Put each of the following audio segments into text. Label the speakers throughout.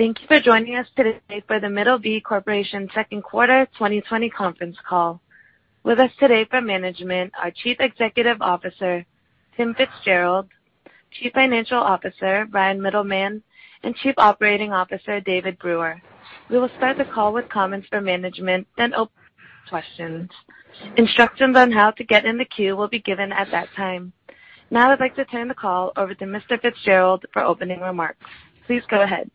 Speaker 1: Thank you for joining us today for The Middleby Corporation second quarter 2020 conference call. With us today from management are Chief Executive Officer, Timothy FitzGerald, Chief Financial Officer, Bryan Mittelman, and Chief Operating Officer, David Brewer. We will start the call with comments from management, then open for questions. Instructions on how to get in the queue will be given at that time. Now I'd like to turn the call over to Mr. FitzGerald for opening remarks. Please go ahead.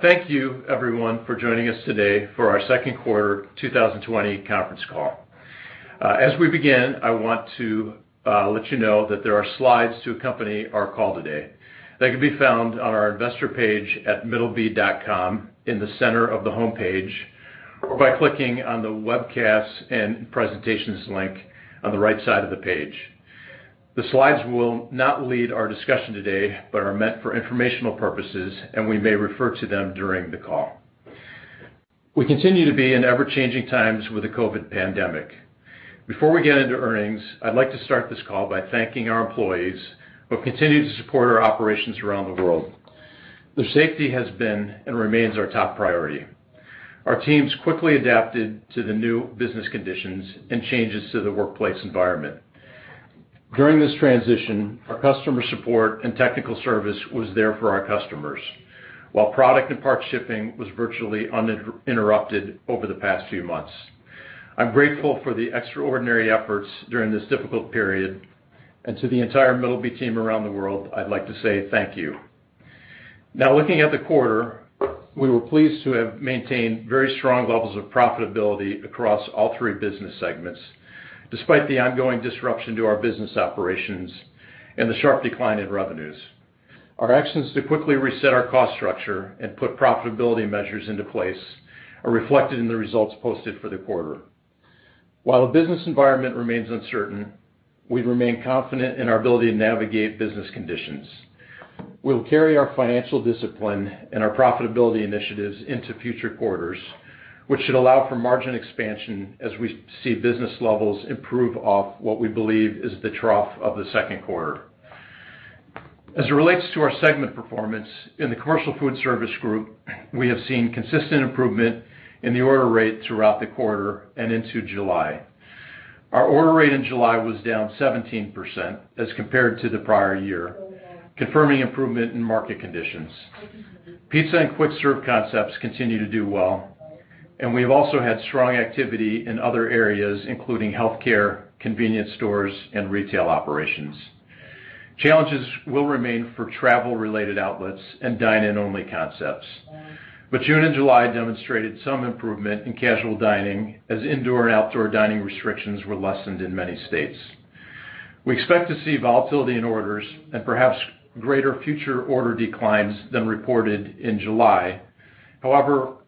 Speaker 2: Thank you everyone for joining us today for our second quarter 2020 conference call. As we begin, I want to let you know that there are slides to accompany our call today. They can be found on our investor page at middleby.com in the center of the homepage, or by clicking on the Webcasts and Presentations link on the right side of the page. The slides will not lead our discussion today, but are meant for informational purposes, and we may refer to them during the call. We continue to be in ever-changing times with the COVID pandemic. Before we get into earnings, I'd like to start this call by thanking our employees who have continued to support our operations around the world. Their safety has been and remains our top priority. Our teams quickly adapted to the new business conditions and changes to the workplace environment. During this transition, our customer support and technical service was there for our customers, while product and part shipping was virtually uninterrupted over the past few months. I'm grateful for the extraordinary efforts during this difficult period, and to the entire Middleby Corporation team around the world, I'd like to say thank you. Looking at the quarter, we were pleased to have maintained very strong levels of profitability across all three business segments, despite the ongoing disruption to our business operations and the sharp decline in revenues. Our actions to quickly reset our cost structure and put profitability measures into place are reflected in the results posted for the quarter. While the business environment remains uncertain, we remain confident in our ability to navigate business conditions. We'll carry our financial discipline and our profitability initiatives into future quarters, which should allow for margin expansion as we see business levels improve off what we believe is the trough of the second quarter. As it relates to our segment performance, in the Commercial Foodservice Group, we have seen consistent improvement in the order rate throughout the quarter and into July. Our order rate in July was down 17% as compared to the prior year, confirming improvement in market conditions. Pizza and quick serve concepts continue to do well, and we have also had strong activity in other areas, including healthcare, convenience stores, and retail operations. Challenges will remain for travel related outlets and dine-in only concepts. June and July demonstrated some improvement in casual dining as indoor and outdoor dining restrictions were lessened in many states. We expect to see volatility in orders and perhaps greater future order declines than reported in July.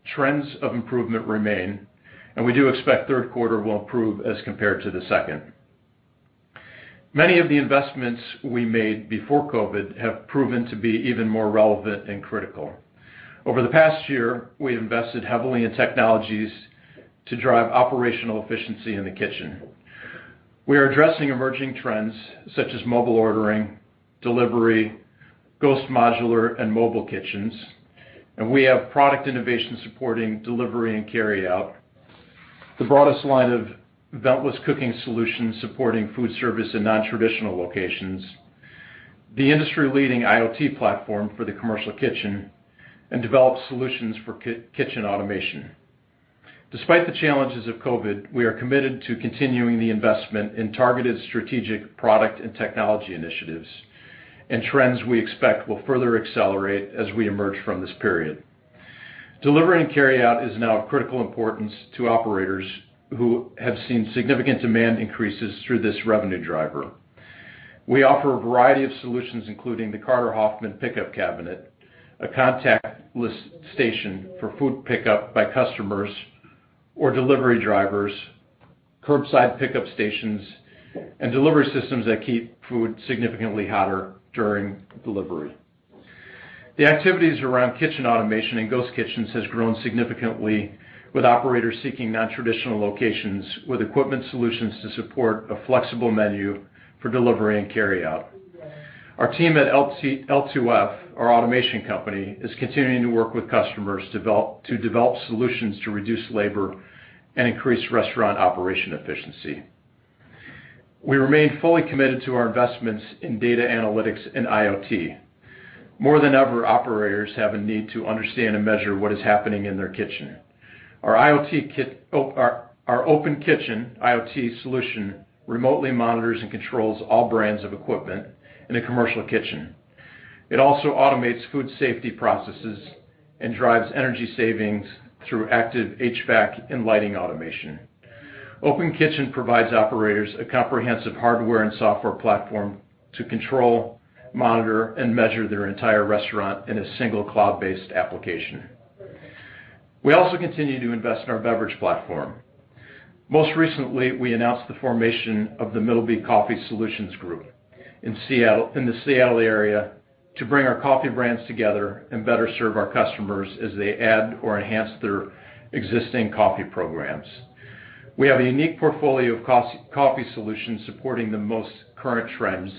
Speaker 2: Trends of improvement remain, and we do expect third quarter will improve as compared to the second. Many of the investments we made before COVID have proven to be even more relevant and critical. Over the past year, we invested heavily in technologies to drive operational efficiency in the kitchen. We are addressing emerging trends such as mobile ordering, delivery, ghost modular and mobile kitchens, and we have product innovation supporting delivery and carryout. The broadest line of ventless cooking solutions supporting food service in nontraditional locations, the industry leading IoT platform for the commercial kitchen, and develop solutions for kitchen automation. Despite the challenges of COVID, we are committed to continuing the investment in targeted strategic product and technology initiatives and trends we expect will further accelerate as we emerge from this period. Delivery and carryout is now of critical importance to operators who have seen significant demand increases through this revenue driver. We offer a variety of solutions, including the Carter-Hoffmann Pickup Cabinet, a contactless station for food pickup by customers or delivery drivers, curbside pickup stations, and delivery systems that keep food significantly hotter during delivery. The activities around kitchen automation and ghost kitchens has grown significantly with operators seeking nontraditional locations with equipment solutions to support a flexible menu for delivery and carryout. Our team at L2F, our automation company, is continuing to work with customers to develop solutions to reduce labor and increase restaurant operation efficiency. We remain fully committed to our investments in data analytics and IoT. More than ever, operators have a need to understand and measure what is happening in their kitchen. Our Open Kitchen IoT solution remotely monitors and controls all brands of equipment in a commercial kitchen. It also automates food safety processes and drives energy savings through active HVAC and lighting automation. Open Kitchen provides operators a comprehensive hardware and software platform to control, monitor, and measure their entire restaurant in a single cloud-based application. We also continue to invest in our beverage platform. Most recently, we announced the formation of the Middleby Coffee Solutions Group in the Seattle area to bring our coffee brands together and better serve our customers as they add or enhance their existing coffee programs. We have a unique portfolio of coffee solutions supporting the most current trends,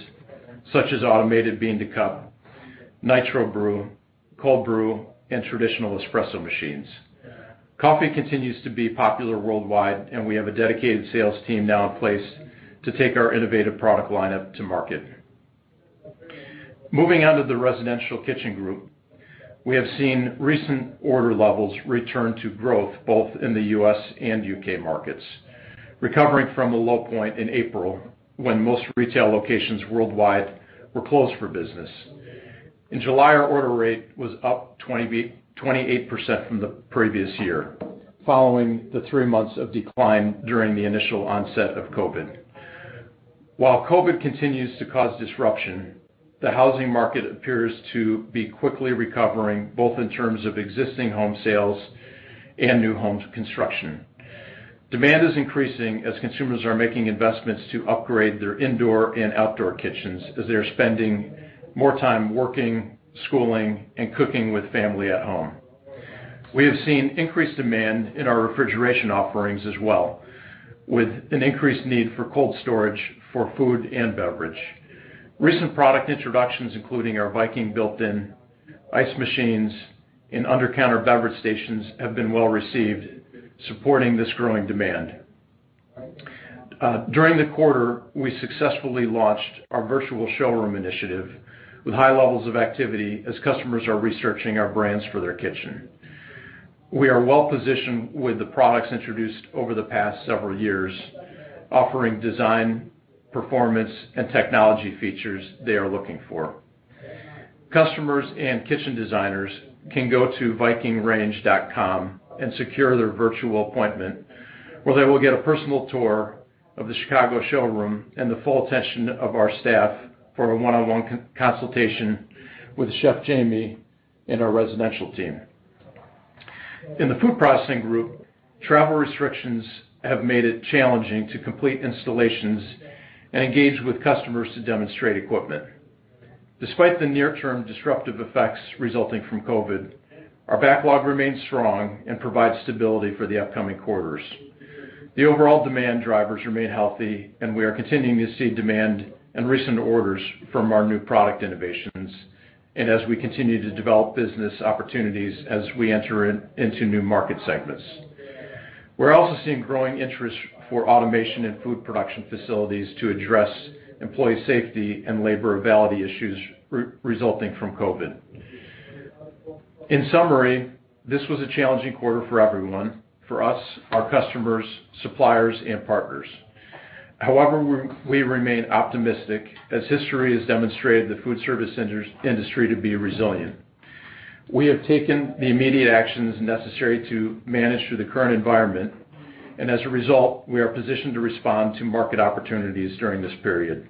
Speaker 2: such as automated bean to cup, nitro brew, cold brew, and traditional espresso machines. We have a dedicated sales team now in place to take our innovative product lineup to market. Moving on to the residential kitchen group, we have seen recent order levels return to growth both in the U.S. and U.K. markets, recovering from a low point in April, when most retail locations worldwide were closed for business. In July, our order rate was up 28% from the previous year, following the three months of decline during the initial onset of COVID. While COVID continues to cause disruption, the housing market appears to be quickly recovering, both in terms of existing home sales and new home construction. Demand is increasing as consumers are making investments to upgrade their indoor and outdoor kitchens as they are spending more time working, schooling, and cooking with family at home. We have seen increased demand in our refrigeration offerings as well, with an increased need for cold storage for food and beverage. Recent product introductions, including our Viking built-in ice machines and undercounter beverage stations, have been well received, supporting this growing demand. During the quarter, we successfully launched our Virtual Showroom Initiative with high levels of activity as customers are researching our brands for their kitchen. We are well-positioned with the products introduced over the past several years, offering design, performance, and technology features they are looking for. Customers and kitchen designers can go to vikingrange.com and secure their virtual appointment, where they will get a personal tour of the Chicago showroom and the full attention of our staff for a one-on-one consultation with Chef Jaime Laurita and our residential team. In the food processing group, travel restrictions have made it challenging to complete installations and engage with customers to demonstrate equipment. Despite the near-term disruptive effects resulting from COVID, our backlog remains strong and provides stability for the upcoming quarters. The overall demand drivers remain healthy, and we are continuing to see demand and recent orders from our new product innovations, and as we continue to develop business opportunities as we enter into new market segments. We're also seeing growing interest for automation in food production facilities to address employee safety and labor availability issues resulting from COVID. In summary, this was a challenging quarter for everyone, for us, our customers, suppliers, and partners. We remain optimistic as history has demonstrated the foodservice industry to be resilient. We have taken the immediate actions necessary to manage through the current environment, as a result, we are positioned to respond to market opportunities during this period.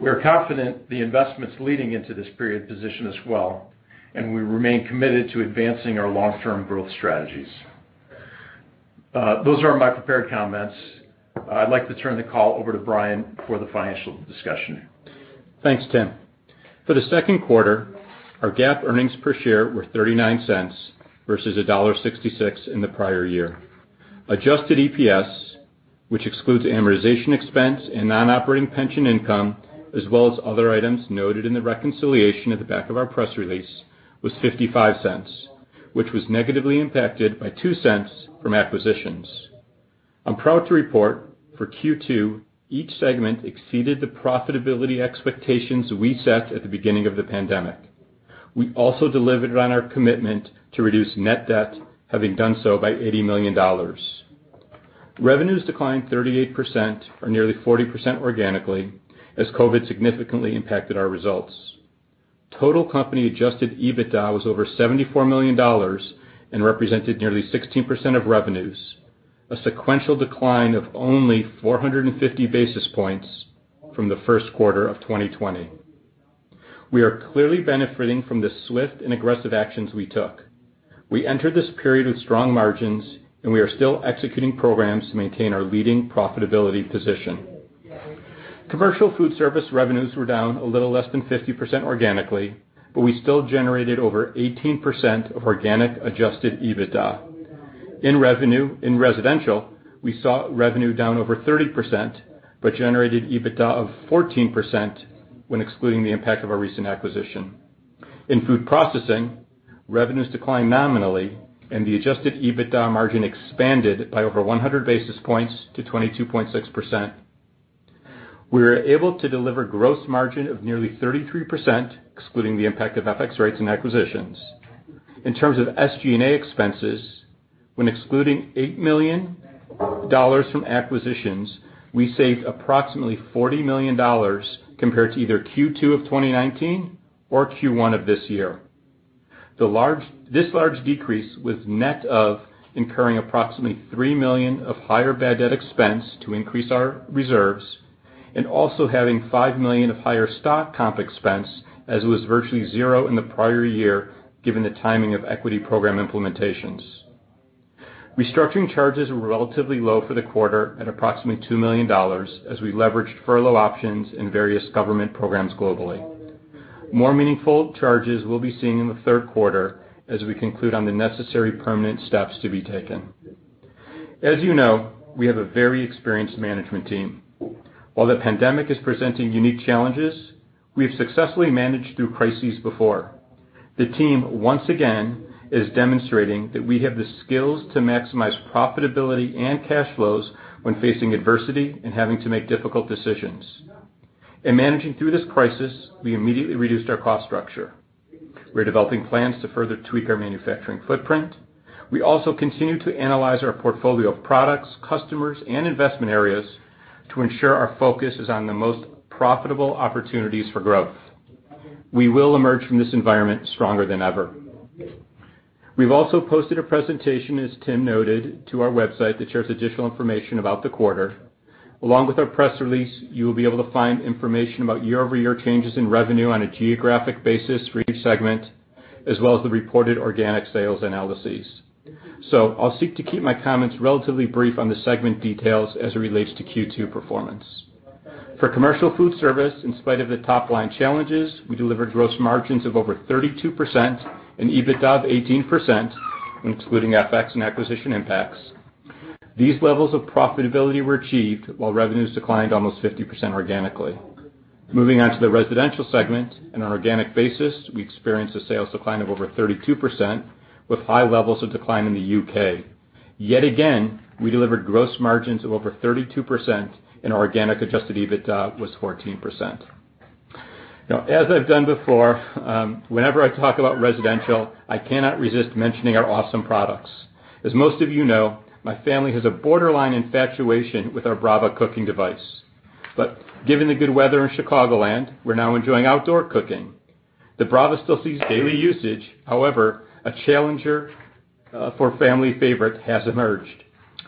Speaker 2: We are confident the investments leading into this period position us well, we remain committed to advancing our long-term growth strategies. Those are my prepared comments. I'd like to turn the call over to Bryan for the financial discussion.
Speaker 3: Thanks, Tim. For the second quarter, our GAAP earnings per share were $0.39 versus $1.66 in the prior year. Adjusted EPS, which excludes amortization expense and non-operating pension income, as well as other items noted in the reconciliation at the back of our press release, was $0.55, which was negatively impacted by $0.02 from acquisitions. I'm proud to report for Q2, each segment exceeded the profitability expectations we set at the beginning of the pandemic. We also delivered on our commitment to reduce net debt, having done so by $80 million. Revenues declined 38%, or nearly 40% organically, as COVID significantly impacted our results. Total company adjusted EBITDA was over $74 million and represented nearly 16% of revenues, a sequential decline of only 450 basis points from the first quarter of 2020. We are clearly benefiting from the swift and aggressive actions we took. We entered this period with strong margins, and we are still executing programs to maintain our leading profitability position. Commercial food service revenues were down a little less than 50% organically, but we still generated over 18% of organic adjusted EBITDA. In residential, we saw revenue down over 30%, but generated EBITDA of 14% when excluding the impact of our recent acquisition. In food processing, revenues declined nominally, and the adjusted EBITDA margin expanded by over 100 basis points to 22.6%. We were able to deliver gross margin of nearly 33%, excluding the impact of FX rates and acquisitions. In terms of SG&A expenses, when excluding $8 million from acquisitions, we saved approximately $40 million compared to either Q2 of 2019 or Q1 of this year. This large decrease was net of incurring approximately $3 million of higher bad debt expense to increase our reserves, and also having $5 million of higher stock comp expense, as it was virtually zero in the prior year, given the timing of equity program implementations. Restructuring charges were relatively low for the quarter at approximately $2 million, as we leveraged furlough options and various government programs globally. More meaningful charges we'll be seeing in the third quarter as we conclude on the necessary permanent steps to be taken. As you know, we have a very experienced management team. While the pandemic is presenting unique challenges, we have successfully managed through crises before. The team, once again, is demonstrating that we have the skills to maximize profitability and cash flows when facing adversity and having to make difficult decisions. In managing through this crisis, we immediately reduced our cost structure. We're developing plans to further tweak our manufacturing footprint. We also continue to analyze our portfolio of products, customers, and investment areas to ensure our focus is on the most profitable opportunities for growth. We will emerge from this environment stronger than ever. We've also posted a presentation, as Tim noted, to our website that shares additional information about the quarter. Along with our press release, you will be able to find information about year-over-year changes in revenue on a geographic basis for each segment, as well as the reported organic sales analyses. I'll seek to keep my comments relatively brief on the segment details as it relates to Q2 performance. For commercial food service, in spite of the top-line challenges, we delivered gross margins of over 32% and EBITDA of 18%, including FX and acquisition impacts. These levels of profitability were achieved while revenues declined almost 50% organically. Moving on to the residential segment, on an organic basis, we experienced a sales decline of over 32%, with high levels of decline in the U.K. Yet again, we delivered gross margins of over 32%, and organic adjusted EBITDA was 14%. Now, as I've done before, whenever I talk about residential, I cannot resist mentioning our awesome products. As most of you know, my family has a borderline infatuation with our Brava cooking device. Given the good weather in Chicagoland, we're now enjoying outdoor cooking. The Brava still sees daily usage. However, a challenger for family favorite has emerged.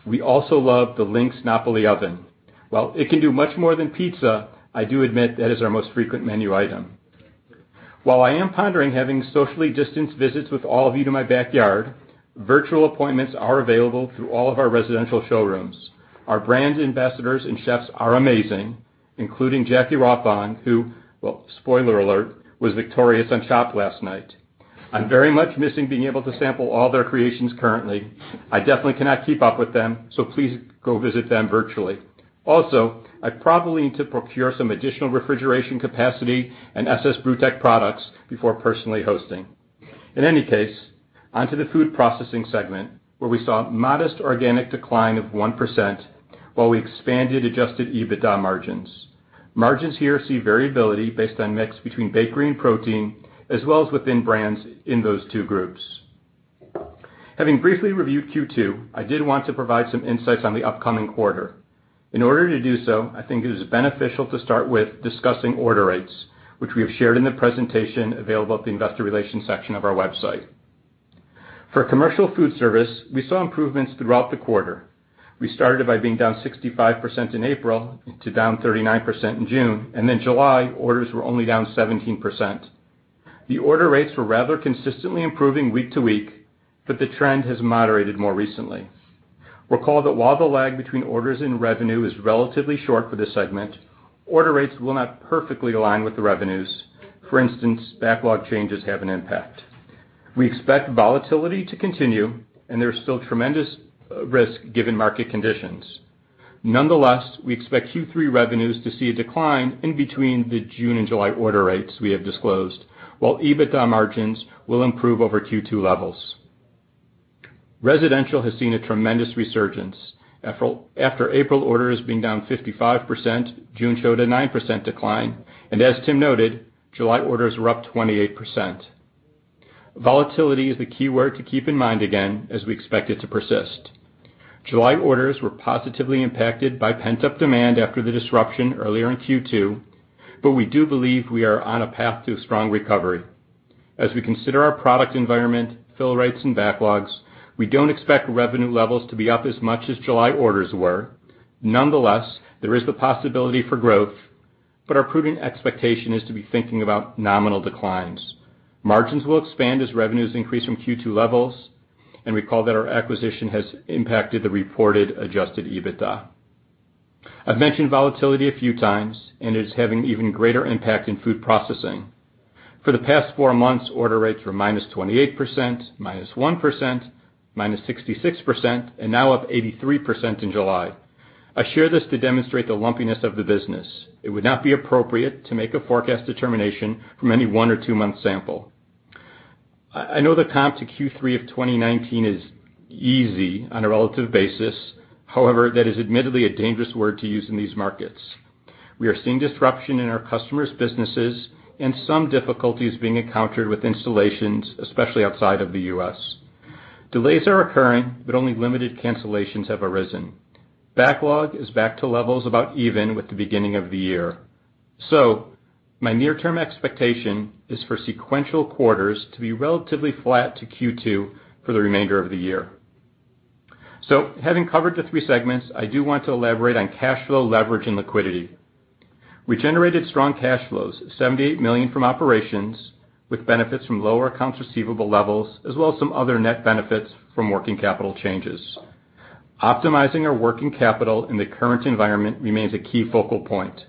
Speaker 3: We also love the Lynx Napoli oven. While it can do much more than pizza, I do admit that is our most frequent menu item. While I am pondering having socially distanced visits with all of you to my backyard, virtual appointments are available through all of our residential showrooms. Our brand ambassadors and chefs are amazing, including Jackie Rothong, who, well, spoiler alert, was victorious on Chopped last night. I'm very much missing being able to sample all their creations currently. I definitely cannot keep up with them, so please go visit them virtually. Also, I probably need to procure some additional refrigeration capacity and Ss Brewtech products before personally hosting. In any case, on to the food processing segment, where we saw a modest organic decline of 1% while we expanded adjusted EBITDA margins. Margins here see variability based on mix between bakery and protein, as well as within brands in those two groups. Having briefly reviewed Q2, I did want to provide some insights on the upcoming quarter. In order to do so, I think it is beneficial to start with discussing order rates, which we have shared in the presentation available at the investor relations section of our website. For Commercial Foodservice, we saw improvements throughout the quarter. We started by being down 65% in April to down 39% in June, and in July, orders were only down 17%. The order rates were rather consistently improving week to week, but the trend has moderated more recently. Recall that while the lag between orders and revenue is relatively short for this segment, order rates will not perfectly align with the revenues. For instance, backlog changes have an impact. We expect volatility to continue, and there is still tremendous risk given market conditions. Nonetheless, we expect Q3 revenues to see a decline in between the June and July order rates we have disclosed, while EBITDA margins will improve over Q2 levels. Residential has seen a tremendous resurgence. After April orders being down 55%, June showed a 9% decline. As Tim noted, July orders were up 28%. Volatility is the key word to keep in mind again, as we expect it to persist. July orders were positively impacted by pent-up demand after the disruption earlier in Q2, but we do believe we are on a path to a strong recovery. As we consider our product environment, fill rates, and backlogs, we don't expect revenue levels to be up as much as July orders were. Nonetheless, there is the possibility for growth, but our prudent expectation is to be thinking about nominal declines. Margins will expand as revenues increase from Q2 levels. Recall that our acquisition has impacted the reported adjusted EBITDA. I've mentioned volatility a few times. It is having an even greater impact in food processing. For the past four months, order rates were -28%, -1%, -66%. Now up 83% in July. I share this to demonstrate the lumpiness of the business. It would not be appropriate to make a forecast determination from any one or two-month sample. I know the comp to Q3 of 2019 is easy on a relative basis. However, that is admittedly a dangerous word to use in these markets. We are seeing disruption in our customers' businesses. Some difficulties being encountered with installations, especially outside of the U.S. Delays are occurring. Only limited cancellations have arisen. Backlog is back to levels about even with the beginning of the year. My near-term expectation is for sequential quarters to be relatively flat to Q2 for the remainder of the year. Having covered the three segments, I do want to elaborate on cash flow leverage and liquidity. We generated strong cash flows, $78 million from operations, with benefits from lower accounts receivable levels, as well as some other net benefits from working capital changes. Optimizing our working capital in the current environment remains a key focal point.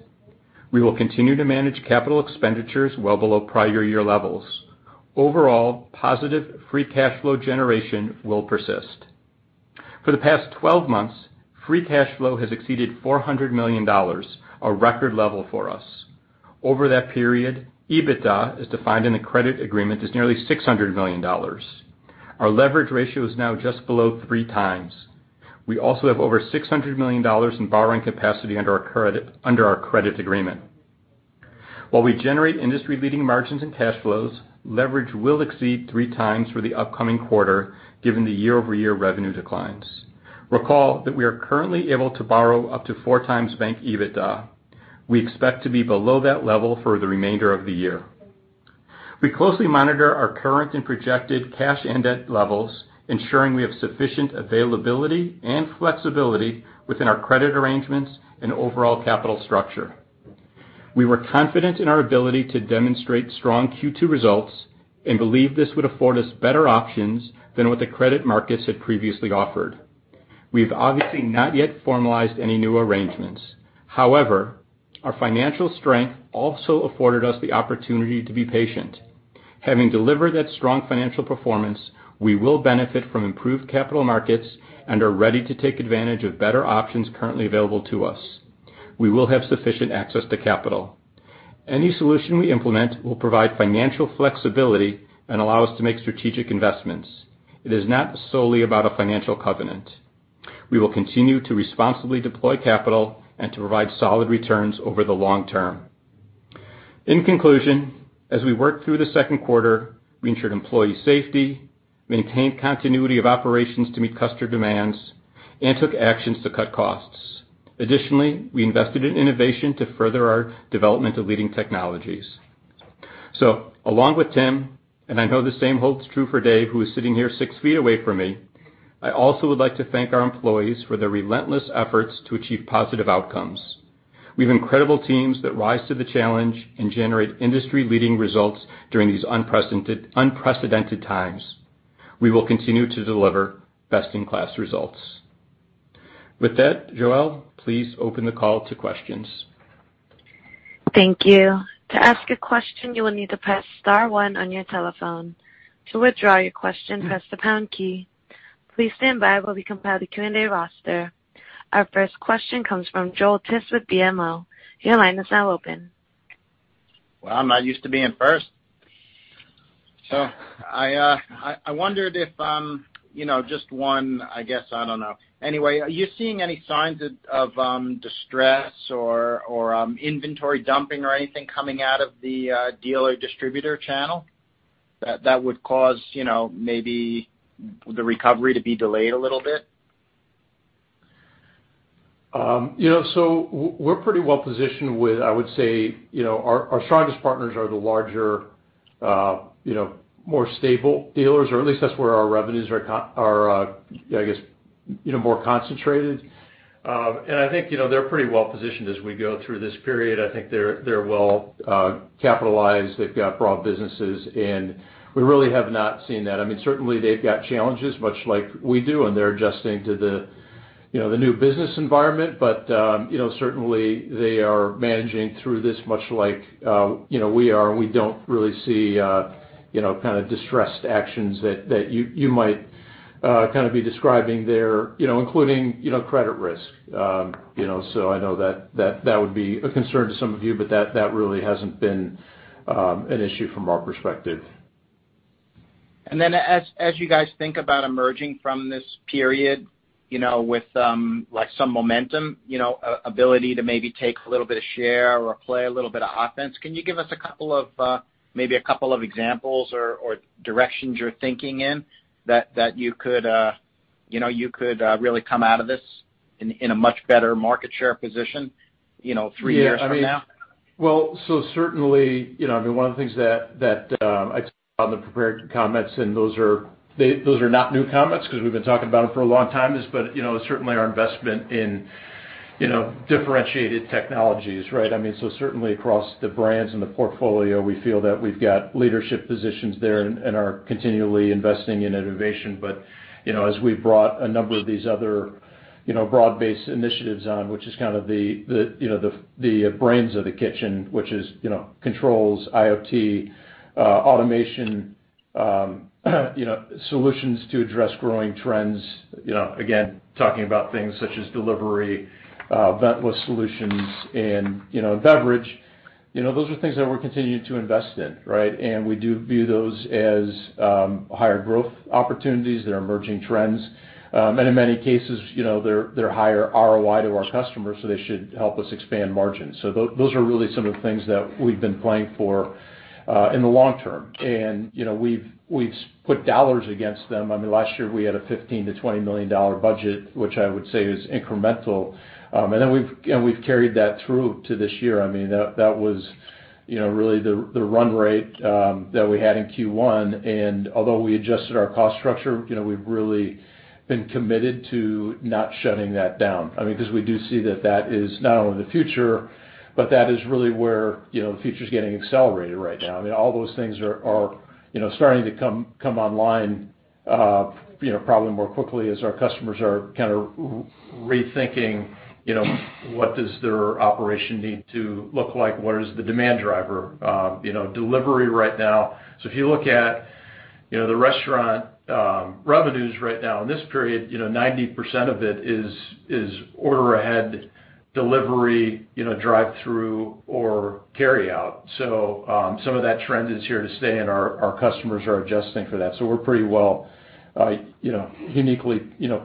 Speaker 3: We will continue to manage capital expenditures well below prior year levels. Overall, positive free cash flow generation will persist. For the past 12 months, free cash flow has exceeded $400 million, a record level for us. Over that period, EBITDA, as defined in the credit agreement, is nearly $600 million. Our leverage ratio is now just below 3x. We also have over $600 million in borrowing capacity under our credit agreement. While we generate industry-leading margins and cash flows, leverage will exceed 3x for the upcoming quarter given the year-over-year revenue declines. Recall that we are currently able to borrow up to 4x bank EBITDA. We expect to be below that level for the remainder of the year. We closely monitor our current and projected cash and debt levels, ensuring we have sufficient availability and flexibility within our credit arrangements and overall capital structure. We were confident in our ability to demonstrate strong Q2 results and believe this would afford us better options than what the credit markets had previously offered. We've obviously not yet formalized any new arrangements. However, our financial strength also afforded us the opportunity to be patient. Having delivered that strong financial performance, we will benefit from improved capital markets and are ready to take advantage of better options currently available to us. We will have sufficient access to capital. Any solution we implement will provide financial flexibility and allow us to make strategic investments. It is not solely about a financial covenant. We will continue to responsibly deploy capital and to provide solid returns over the long term. In conclusion, as we worked through the second quarter, we ensured employee safety, maintained continuity of operations to meet customer demands, and took actions to cut costs. Additionally, we invested in innovation to further our development of leading technologies. Along with Tim, and I know the same holds true for Dave, who is sitting here six feet away from me, I also would like to thank our employees for their relentless efforts to achieve positive outcomes. We have incredible teams that rise to the challenge and generate industry-leading results during these unprecedented times. We will continue to deliver best-in-class results. With that, Joelle, please open the call to questions.
Speaker 1: Thank you. To ask a question, you will need to press star one on your telephone. To withdraw your question, press the pound key. Please stand by while we compile the Q&A roster. Our first question comes from Joel Tiss with BMO Capital Markets. Your line is now open.
Speaker 4: Well, I'm not used to being first. I wondered if, I guess I don't know. Anyway, are you seeing any signs of distress or inventory dumping or anything coming out of the dealer distributor channel that would cause maybe the recovery to be delayed a little bit?
Speaker 2: We're pretty well positioned with, I would say, our strongest partners are the larger, more stable dealers, or at least that's where our revenues are, I guess, more concentrated. I think they're pretty well positioned as we go through this period. I think they're well capitalized. They've got broad businesses, and we really have not seen that. Certainly, they've got challenges, much like we do, and they're adjusting to the new business environment. Certainly, they are managing through this much like we are, and we don't really see kind of distressed actions that you might kind of be describing there, including credit risk. I know that would be a concern to some of you, but that really hasn't been an issue from our perspective.
Speaker 4: As you guys think about emerging from this period, with some momentum, ability to maybe take a little bit of share or play a little bit of offense, can you give us maybe a couple of examples or directions you're thinking in that you could really come out of this in a much better market share position three years from now?
Speaker 2: Certainly, one of the things that I talked about in the prepared comments, and those are not new comments because we've been talking about them for a long time, is certainly our investment in differentiated technologies, right? Certainly, across the brands and the portfolio, we feel that we've got leadership positions there and are continually investing in innovation. As we've brought a number of these other broad-based initiatives on, which is kind of the brains of the kitchen, which is controls, IoT, automation, solutions to address growing trends. Again, talking about things such as delivery, ventless solutions and beverage. Those are things that we're continuing to invest in, right? We do view those as higher growth opportunities that are emerging trends. In many cases, they're higher ROI to our customers, so they should help us expand margins. Those are really some of the things that we've been planning for in the long term. We've put dollars against them. Last year, we had a $15 million-$20 million budget, which I would say is incremental, and we've carried that through to this year. That was really the run rate that we had in Q1, and although we adjusted our cost structure, we've really been committed to not shutting that down because we do see that that is not only the future, but that is really where the future's getting accelerated right now. All those things are starting to come online. Probably more quickly as our customers are kind of rethinking what does their operation need to look like, what is the demand driver. Delivery right now. If you look at the restaurant revenues right now in this period, 90% of it is order ahead delivery, drive-through or carry out. Some of that trend is here to stay, and our customers are adjusting for that. We're pretty well uniquely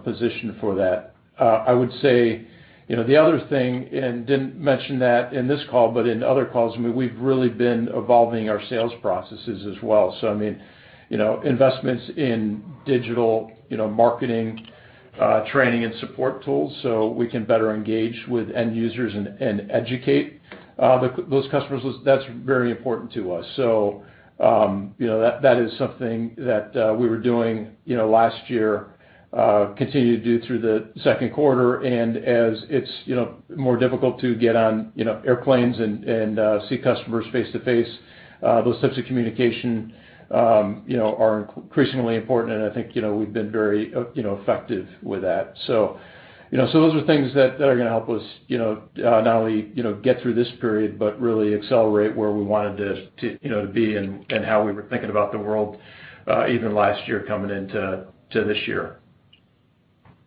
Speaker 2: positioned for that. I would say the other thing, and didn't mention that in this call, but in other calls, we've really been evolving our sales processes as well. Investments in digital marketing, training, and support tools so we can better engage with end users and educate those customers. That's very important to us. That is something that we were doing last year, continue to do through the second quarter. As it's more difficult to get on airplanes and see customers face-to-face, those types of communication are increasingly important, and I think we've been very effective with that. Those are things that are going to help us not only get through this period, but really accelerate where we wanted to be and how we were thinking about the world even last year coming into this year.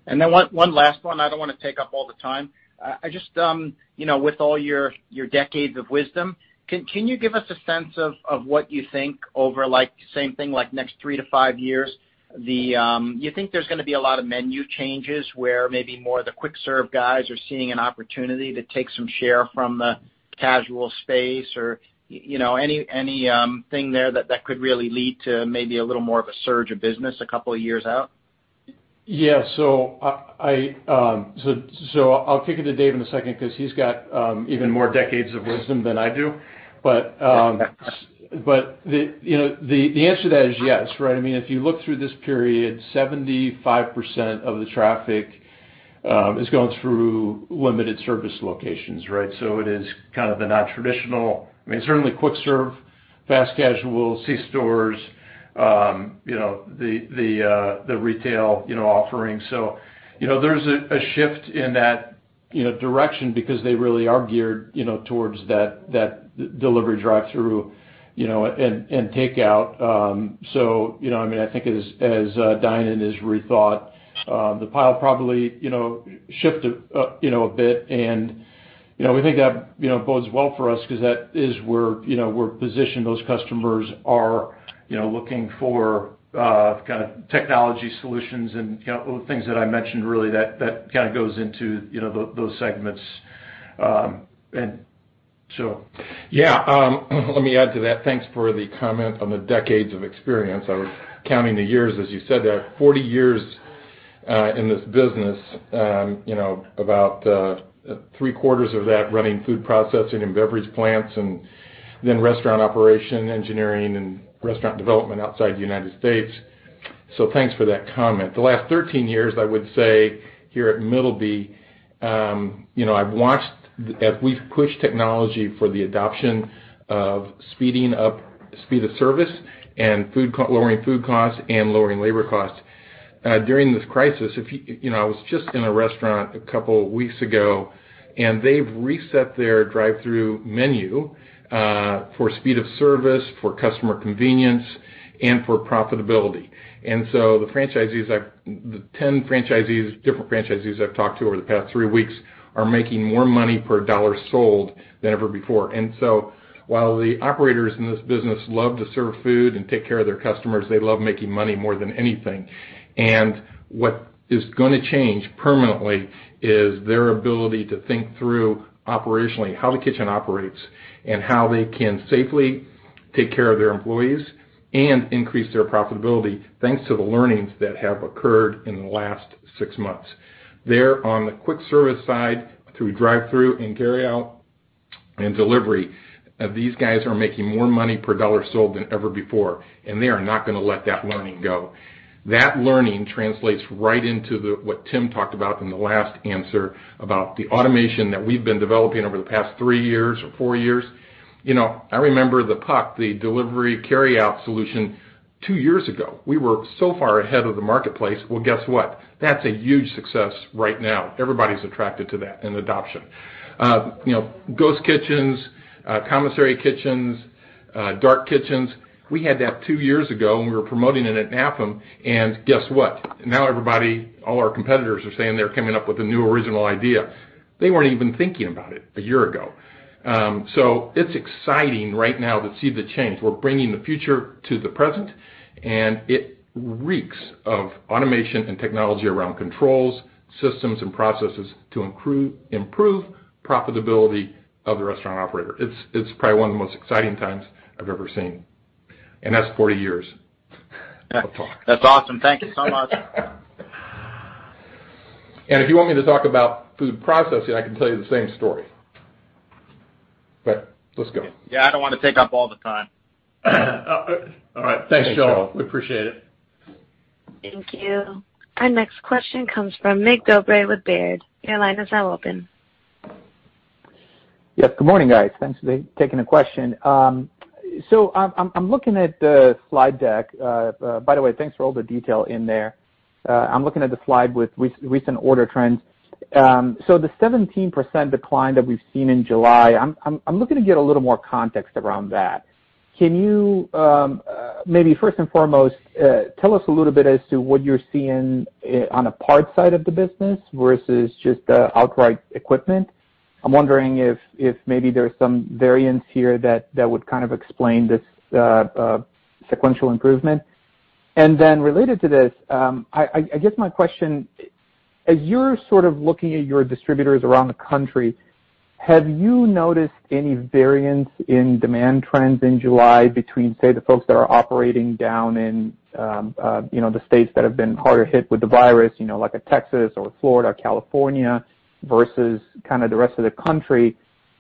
Speaker 4: One last one. I don't want to take up all the time. Just with all your decades of wisdom, can you give us a sense of what you think over same thing, like next three to five years? Do you think there's going to be a lot of menu changes where maybe more of the quick serve guys are seeing an opportunity to take some share from the casual space? Anything there that could really lead to maybe a little more of a surge of business a couple of years out?
Speaker 2: Yeah. I'll kick it to Dave in a second because he's got even more decades of wisdom than I do. The answer to that is yes, right? If you look through this period, 75% of the traffic is going through limited service locations, right? It is kind of the non-traditional. Certainly quick serve, fast casual, C-stores, the retail offering. There's a shift in that direction because they really are geared towards that delivery drive-through and take out. I think as dine-in is rethought, the pile probably shifted a bit and we think that bodes well for us because that is where we're positioned. Those customers are looking for technology solutions and all the things that I mentioned really that kind of goes into those segments.
Speaker 5: Yeah. Let me add to that. Thanks for the comment on the decades of experience. I was counting the years as you said that. 40 years in this business, about three quarters of that running food processing and beverage plants and then restaurant operation engineering and restaurant development outside the United States. Thanks for that comment. The last 13 years, I would say here at Middleby Corporation, I've watched as we've pushed technology for the adoption of speeding up speed of service and lowering food costs and lowering labor costs. During this crisis, I was just in a restaurant a couple weeks ago, and they've reset their drive-through menu for speed of service, for customer convenience and for profitability. The 10 different franchisees I've talked to over the past three weeks are making more money per dollar sold than ever before. While the operators in this business love to serve food and take care of their customers, they love making money more than anything. What is going to change permanently is their ability to think through operationally how the kitchen operates and how they can safely take care of their employees and increase their profitability, thanks to the learnings that have occurred in the last six months. There on the quick service side, through drive-through and carry out and delivery, these guys are making more money per dollar sold than ever before, and they are not going to let that learning go. That learning translates right into what Tim talked about in the last answer about the automation that we've been developing over the past three years or four years. I remember the PUC, the delivery carry out solution two years ago. We were so far ahead of the marketplace. Guess what? That's a huge success right now. Everybody's attracted to that and adoption. Ghost kitchens, commissary kitchens, dark kitchens, we had that two years ago, and we were promoting it at NAFEM. Guess what? Now everybody, all our competitors are saying they're coming up with a new original idea. They weren't even thinking about it a year ago. It's exciting right now to see the change. We're bringing the future to the present, and it reeks of automation and technology around controls, systems, and processes to improve profitability of the restaurant operator. It's probably one of the most exciting times I've ever seen, and that's 40 years of talk.
Speaker 4: That's awesome. Thank you so much.
Speaker 5: If you want me to talk about food processing, I can tell you the same story. Let's go.
Speaker 4: Yeah, I don't want to take up all the time.
Speaker 2: All right. Thanks, Joel. We appreciate it.
Speaker 1: Thank you. Our next question comes from Mircea Dobre with Baird. Your line is now open.
Speaker 6: Yes. Good morning, guys. Thanks for taking the question. I'm looking at the slide deck. By the way, thanks for all the detail in there. I'm looking at the slide with recent order trends. The 17% decline that we've seen in July, I'm looking to get a little more context around that. Can you, maybe first and foremost, tell us a little bit as to what you're seeing on a parts side of the business versus just outright equipment? I'm wondering if maybe there's some variance here that would kind of explain this sequential improvement. Related to this, I guess my question, as you're sort of looking at your distributors around the country, have you noticed any variance in demand trends in July between, say, the folks that are operating down in the states that have been harder hit with the virus, like Texas or Florida, California, versus kind of the rest of the country?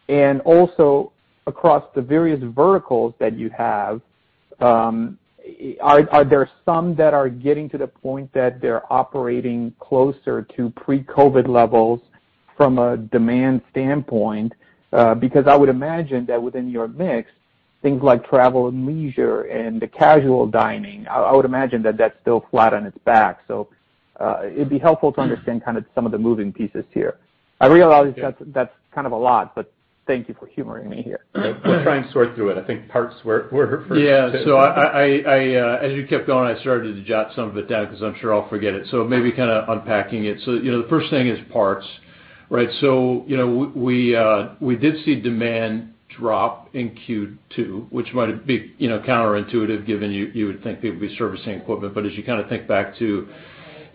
Speaker 6: Also across the various verticals that you have, are there some that are getting to the point that they're operating closer to pre-COVID levels from a demand standpoint? I would imagine that within your mix, things like travel and leisure and the casual dining, I would imagine that that's still flat on its back. It'd be helpful to understand kind of some of the moving pieces here. I realize that's kind of a lot, thank you for humoring me here.
Speaker 5: We'll try and sort through it. I think parts were first.
Speaker 2: Yeah. As you kept going, I started to jot some of it down because I'm sure I'll forget it. Maybe kind of unpacking it. The first thing is parts, right? We did see demand drop in Q2, which might be counterintuitive given you would think people would be servicing equipment. As you kind of think back to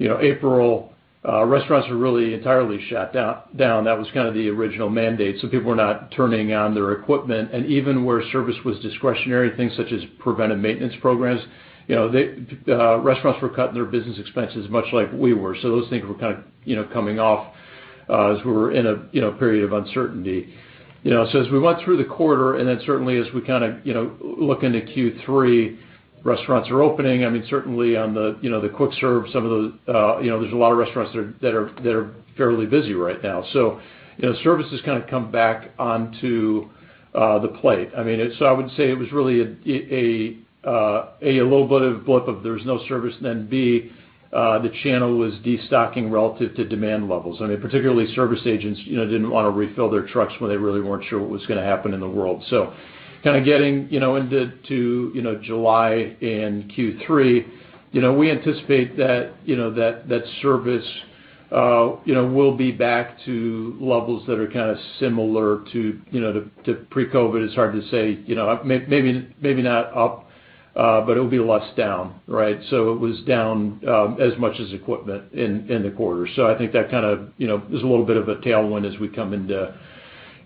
Speaker 2: April, restaurants were really entirely shut down. That was kind of the original mandate. People were not turning on their equipment. Even where service was discretionary, things such as preventive maintenance programs, restaurants were cutting their business expenses much like we were. Those things were kind of coming off as we were in a period of uncertainty. As we went through the quarter, and then certainly as we kind of look into Q3, restaurants are opening. Certainly on the quick serve, there's a lot of restaurants that are fairly busy right now. Services kind of come back onto the plate. I would say it was really a little blip of there was no service, and then B, the channel was destocking relative to demand levels. Particularly service agents didn't want to refill their trucks when they really weren't sure what was going to happen in the world. Kind of getting into July and Q3, we anticipate that service will be back to levels that are kind of similar to pre-COVID. It's hard to say. Maybe not up, but it'll be less down, right? It was down as much as equipment in the quarter. I think that kind of is a little bit of a tailwind as we come into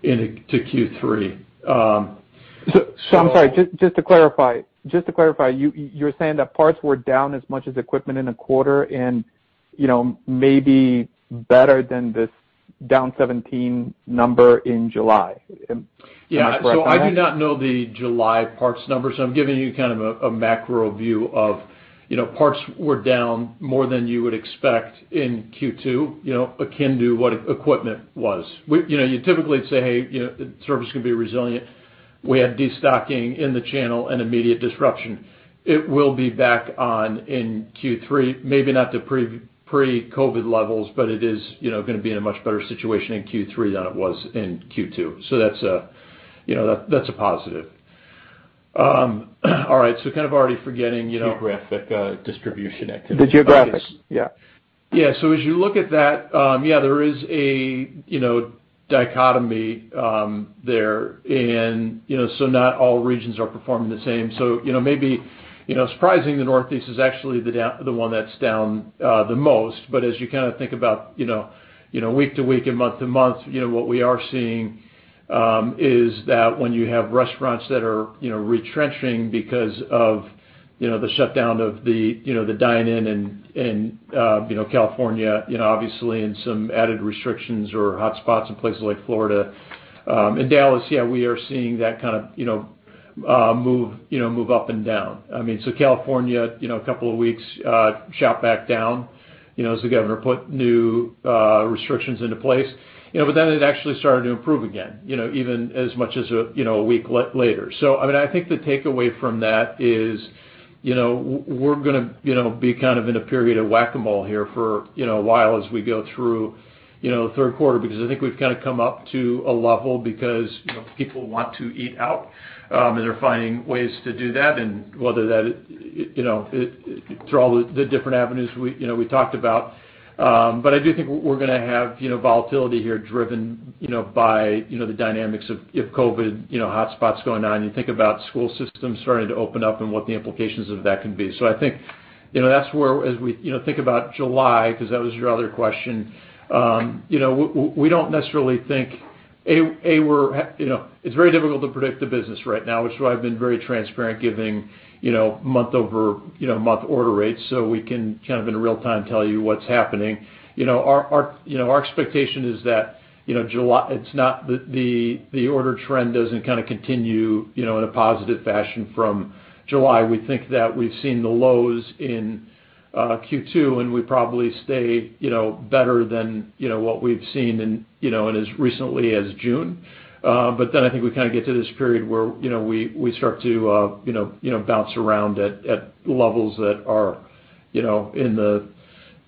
Speaker 2: Q3.
Speaker 6: I'm sorry, just to clarify, you're saying that parts were down as much as equipment in a quarter and maybe better than this down 17 number in July. Am I correct on that?
Speaker 2: Yeah. I do not know the July parts number. I'm giving you kind of a macro view of parts were down more than you would expect in Q2, akin to what equipment was. You typically say, "Hey, service can be resilient." We had destocking in the channel and immediate disruption. It will be back on in Q3, maybe not to pre-COVID levels, but it is going to be in a much better situation in Q3 than it was in Q2. That's a positive. All right.
Speaker 3: Geographic distribution activity.
Speaker 6: The geographic, yeah.
Speaker 2: Yeah. As you look at that, yeah, there is a dichotomy there in not all regions are performing the same. Maybe surprising, the Northeast is actually the one that's down the most. As you kind of think about week to week and month to month, what we are seeing is that when you have restaurants that are retrenching because of the shutdown of the dine-in in California, obviously, and some added restrictions or hotspots in places like Florida and Dallas, yeah, we are seeing that kind of move up and down. California, a couple of weeks, shut back down as the governor put new restrictions into place. It actually started to improve again, even as much as a week later. I think the takeaway from that is we're going to be kind of in a period of Whac-A-Mole here for a while as we go through third quarter, because I think we've kind of come up to a level because people want to eat out, and they're finding ways to do that, and whether that is through all the different avenues we talked about. I do think we're going to have volatility here driven by the dynamics of COVID hotspots going on. You think about school systems starting to open up and what the implications of that can be. I think that's where, as we think about July, because that was your other question, we don't necessarily think A, it's very difficult to predict the business right now, which is why I've been very transparent giving month-over-month order rates so we can kind of in real time tell you what's happening. Our expectation is that the order trend doesn't kind of continue in a positive fashion from July. We think that we've seen the lows in Q2, and we probably stay better than what we've seen in as recently as June. I think we kind of get to this period where we start to bounce around at levels that are in the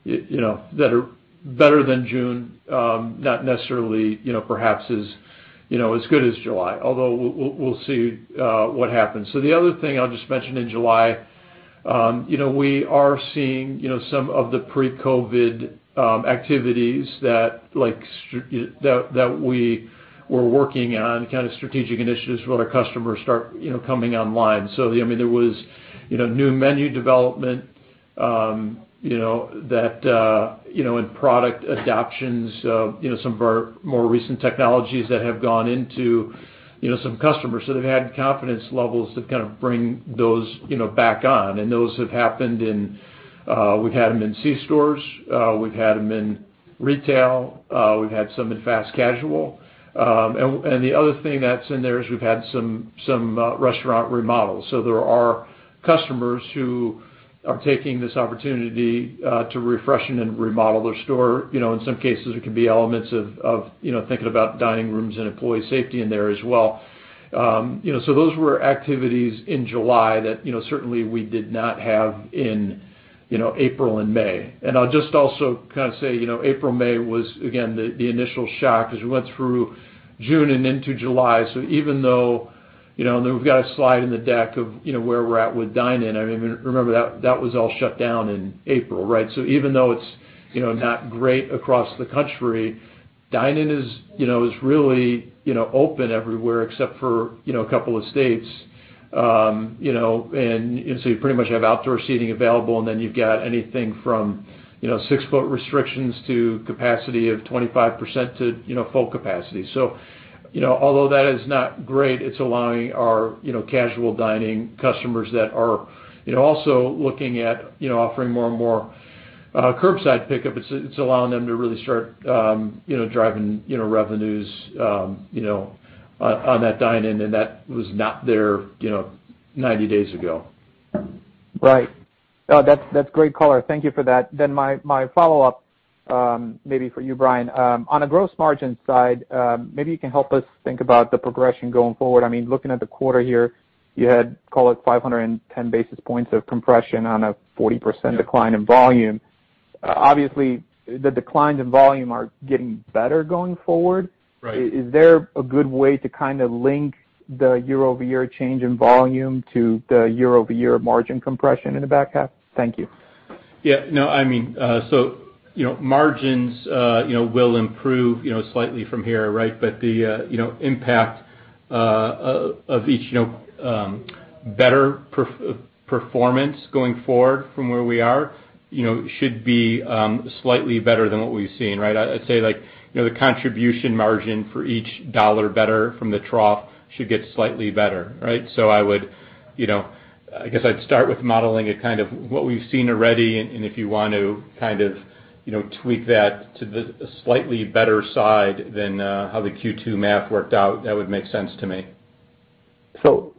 Speaker 2: that are better than June, not necessarily perhaps as good as July, although we'll see what happens. The other thing I'll just mention in July, we are seeing some of the pre-COVID activities that we were working on, kind of strategic initiatives with our customers start coming online. There was new menu development and product adoptions of some of our more recent technologies that have gone into some customers that have had confidence levels to kind of bring those back on. Those have happened in, we've had them in C-stores, we've had them in retail, we've had some in fast-casual. The other thing that's in there is we've had some restaurant remodels. There are customers who are taking this opportunity to refreshen and remodel their store. In some cases it can be elements of thinking about dining rooms and employee safety in there as well. Those were activities in July that certainly we did not have in April and May. I'll just also kind of say, April, May was again, the initial shock as we went through June and into July. Even though, and we've got a slide in the deck of where we're at with dine-in. Remember that was all shut down in April, right? Even though it's not great across the country, dine-in is really open everywhere except for a couple of states. You pretty much have outdoor seating available, and then you've got anything from six foot restrictions to capacity of 25% to full capacity. Although that is not great, it's allowing our casual dining customers that are also looking at offering more and more curbside pickup. It's allowing them to really start driving revenues on that dine-in, and that was not there 90 days ago.
Speaker 6: Right. No, that's great color. Thank you for that. My follow-up, maybe for you, Bryan, on a gross margin side, maybe you can help us think about the progression going forward. Looking at the quarter here, you had, call it 510 basis points of compression on a 40% decline in volume. Obviously, the declines in volume are getting better going forward.
Speaker 3: Right.
Speaker 6: Is there a good way to kind of link the year-over-year change in volume to the year-over-year margin compression in the back half? Thank you.
Speaker 3: Yeah. Margins will improve slightly from here, right? The impact of each better performance going forward from where we are should be slightly better than what we've seen, right? I'd say, like, the contribution margin for each dollar better from the trough should get slightly better, right? I guess I'd start with modeling it kind of what we've seen already, and if you want to kind of tweak that to the slightly better side than how the Q2 math worked out, that would make sense to me.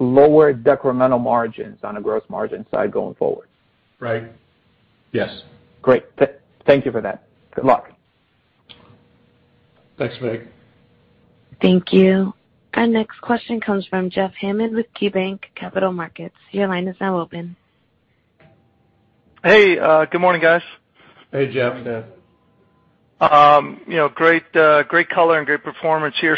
Speaker 6: Lower decremental margins on a gross margin side going forward?
Speaker 3: Right. Yes.
Speaker 6: Great. Thank you for that. Good luck.
Speaker 2: Thanks, Mircea.
Speaker 1: Thank you. Our next question comes from Jeff Hammond with KeyBanc Capital Markets. Your line is now open.
Speaker 7: Hey, good morning, guys.
Speaker 2: Hey, Jeff.
Speaker 7: Great color and great performance here.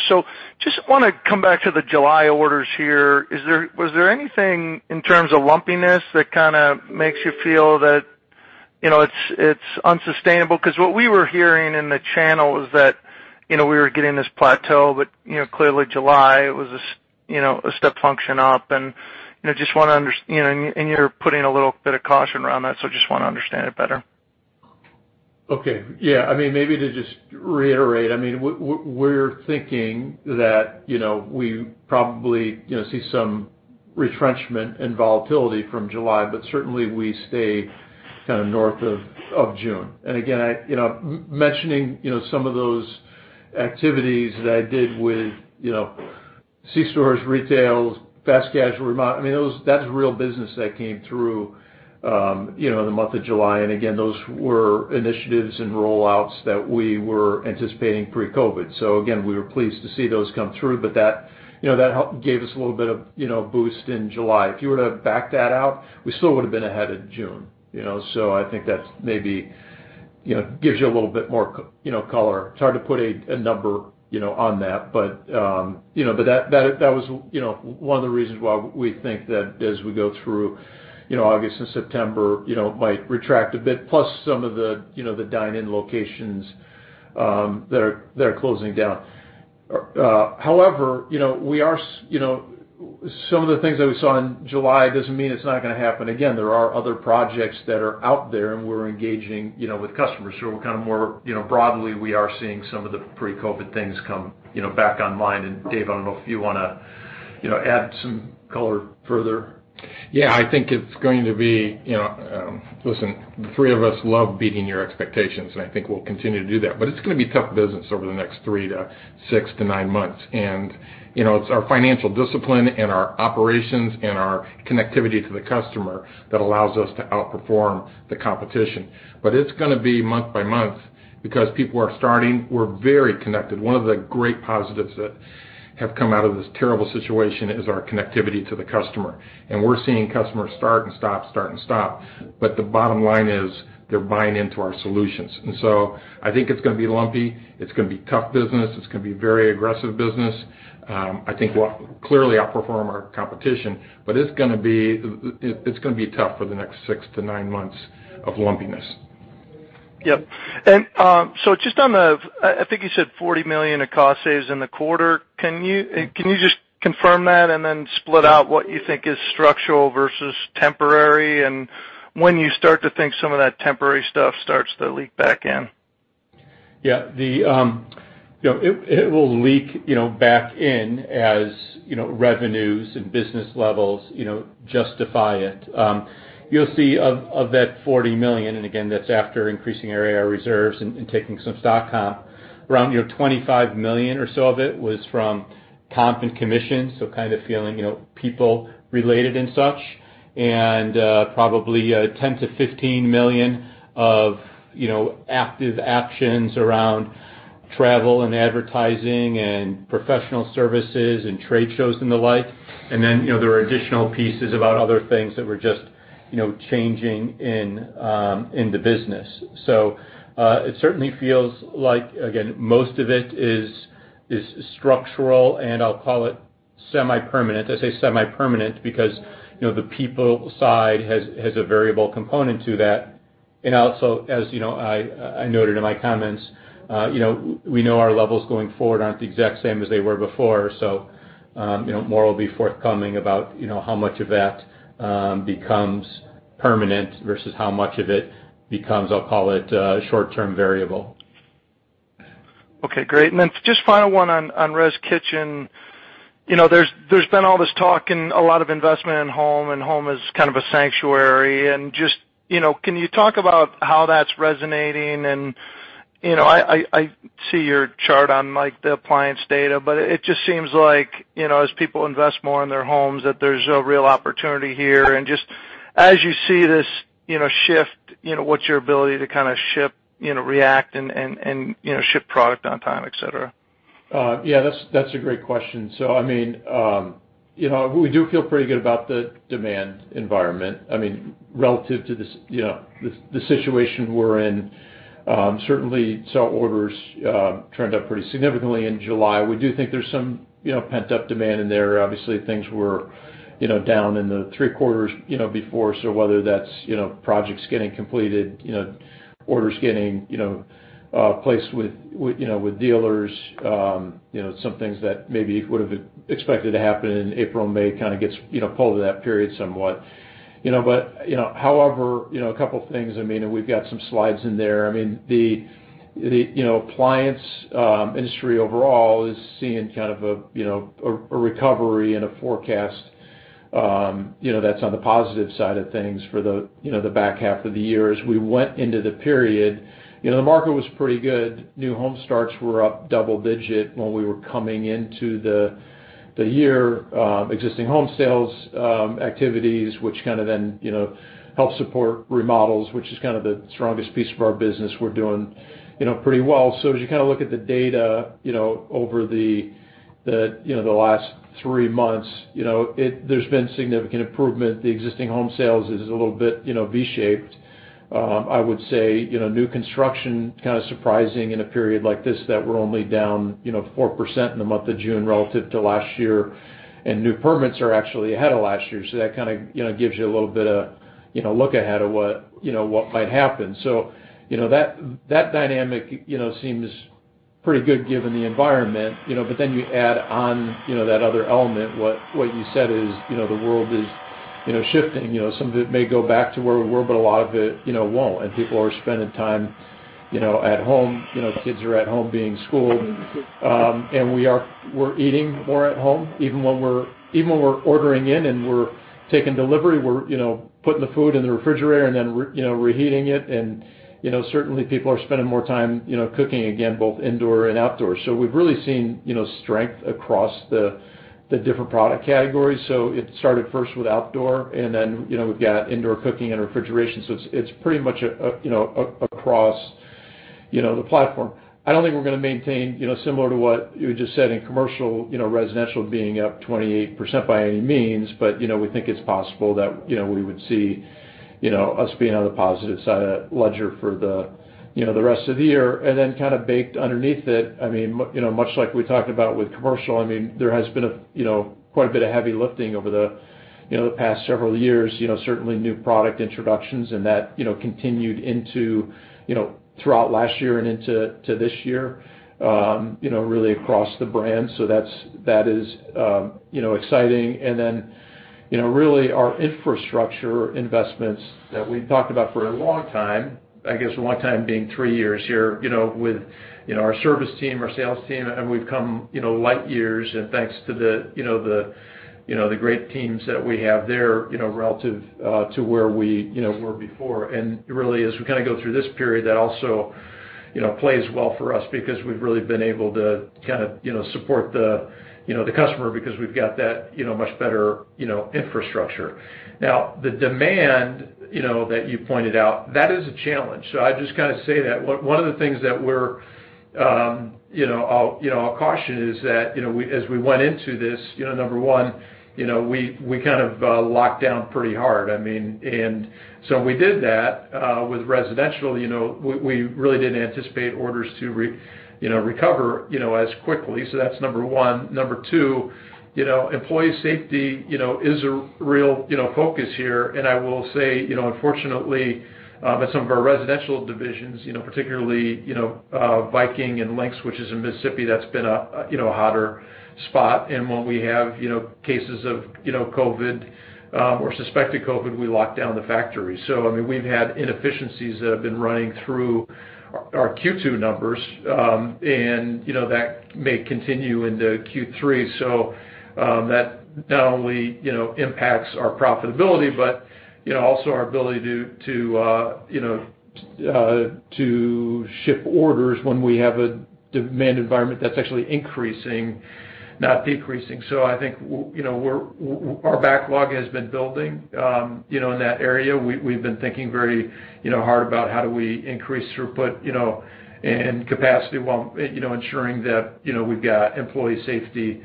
Speaker 7: Just want to come back to the July orders here. Was there anything in terms of lumpiness that kind of makes you feel that it's unsustainable? What we were hearing in the channel was that we were getting this plateau, but clearly July, it was a step function up, and you're putting a little bit of caution around that, so just want to understand it better.
Speaker 2: Okay. Yeah. Maybe to just reiterate, we're thinking that we probably see some retrenchment and volatility from July, but certainly we stay kind of north of June. Again, mentioning some of those activities that I did with C-stores, retails, fast casual, that's real business that came through the month of July. Again, those were initiatives and roll-outs that we were anticipating pre-COVID. Again, we were pleased to see those come through, but that gave us a little bit of boost in July. If you were to back that out, we still would've been ahead of June. I think that maybe gives you a little bit more color. It's hard to put a number on that, but that was one of the reasons why we think that as we go through August and September, it might retract a bit, plus some of the dine-in locations that are closing down. However, some of the things that we saw in July doesn't mean it's not going to happen again. There are other projects that are out there, and we're engaging with customers. kind of more broadly, we are seeing some of the pre-COVID things come back online. David, I don't know if you want to add some color further.
Speaker 5: Yeah, I think it's going to be, listen, the three of us love beating your expectations, and I think we'll continue to do that, but it's going to be tough business over the next three to six to nine months. It's our financial discipline and our operations and our connectivity to the customer that allows us to outperform the competition. It's going to be month by month. Because people are starting. We're very connected. One of the great positives that have come out of this terrible situation is our connectivity to the customer. We're seeing customers start and stop, start and stop. The bottom line is they're buying into our solutions. I think it's going to be lumpy. It's going to be tough business. It's going to be very aggressive business. I think we'll clearly outperform our competition, but it's going to be tough for the next six to nine months of lumpiness.
Speaker 7: Yep. Just on the, I think you said $40 million of cost saves in the quarter. Can you just confirm that and then split out what you think is structural versus temporary, and when you start to think some of that temporary stuff starts to leak back in?
Speaker 3: It will leak back in as revenues and business levels justify it. You'll see of that $40 million, and again, that's after increasing our reserves and taking some stock comp, around $25 million or so of it was from comp and commission, so kind of feeling people related and such, and probably $10 million-$15 million of active actions around travel and advertising and professional services and trade shows and the like. There are additional pieces about other things that were just changing in the business. It certainly feels like, again, most of it is structural and I'll call it semi-permanent. I say semi-permanent because the people side has a variable component to that. Also, as I noted in my comments, we know our levels going forward aren't the exact same as they were before. More will be forthcoming about how much of that becomes permanent versus how much of it becomes, I'll call it, short-term variable.
Speaker 7: Okay, great. Then just final one on Residential Kitchen. There's been all this talk and a lot of investment in home, and home is kind of a sanctuary and just, can you talk about how that's resonating? I see your chart on the appliance data, but it just seems like, as people invest more in their homes, that there's a real opportunity here. Just as you see this shift, what's your ability to kind of ship, react, and ship product on time, et cetera?
Speaker 2: Yeah, that's a great question. We do feel pretty good about the demand environment. Relative to the situation we're in, certainly saw orders trend up pretty significantly in July. We do think there's some pent-up demand in there. Obviously, things were down in the three quarters before. Whether that's projects getting completed, orders getting placed with dealers, some things that maybe would've expected to happen in April and May kind of gets pulled to that period somewhat. However, a couple of things, and we've got some slides in there. The appliance industry overall is seeing kind of a recovery and a forecast that's on the positive side of things for the back half of the year. As we went into the period, the market was pretty good. New home starts were up double-digit when we were coming into the year. Existing home sales activities, which kind of then help support remodels, which is kind of the strongest piece of our business, were doing pretty well. As you kind of look at the data over the last three months, there's been significant improvement. The existing home sales is a little bit V-shaped. I would say, new construction, kind of surprising in a period like this, that we're only down 4% in the month of June relative to last year. New permits are actually ahead of last year. That kind of gives you a little bit of look ahead of what might happen. You add on that other element, what you said is the world is shifting. Some of it may go back to where we were, but a lot of it won't, and people are spending time at home. Kids are at home being schooled. We're eating more at home. Even when we're ordering in and we're taking delivery, we're putting the food in the refrigerator and then reheating it. Certainly, people are spending more time cooking again, both indoor and outdoor. We've really seen strength across the different product categories. It started first with outdoor, and then we've got indoor cooking and refrigeration. It's pretty much across the platform. I don't think we're going to maintain, similar to what you had just said in commercial, residential being up 28% by any means, but we think it's possible that we would see Us being on the positive side of the ledger for the rest of the year, kind of baked underneath it, much like we talked about with commercial, there has been quite a bit of heavy lifting over the past several years. Certainly, new product introductions, that continued throughout last year and into this year really across the brand. That is exciting. Really our infrastructure investments that we've talked about for a long time, I guess a long time being three years here with our service team, our sales team, we've come light years, thanks to the great teams that we have there relative to where we were before. Really, as we kind of go through this period, that also plays well for us because we've really been able to kind of support the customer because we've got that much better infrastructure. The demand, that you pointed out, that is a challenge. I just kind of say that one of the things that I'll caution is that as we went into this, number one, we kind of locked down pretty hard. We did that with residential. We really didn't anticipate orders to recover as quickly. That's number one. Number two, employee safety is a real focus here. I will say, unfortunately, that some of our residential divisions, particularly Viking Range and Lynx Grills, which is in Mississippi, that's been a hotter spot. When we have cases of COVID or suspected COVID, we lock down the factory. We've had inefficiencies that have been running through our Q2 numbers, and that may continue into Q3. That not only impacts our profitability, but also our ability to ship orders when we have a demand environment that's actually increasing, not decreasing. I think our backlog has been building in that area. We've been thinking very hard about how do we increase throughput and capacity while ensuring that we've got employee safety.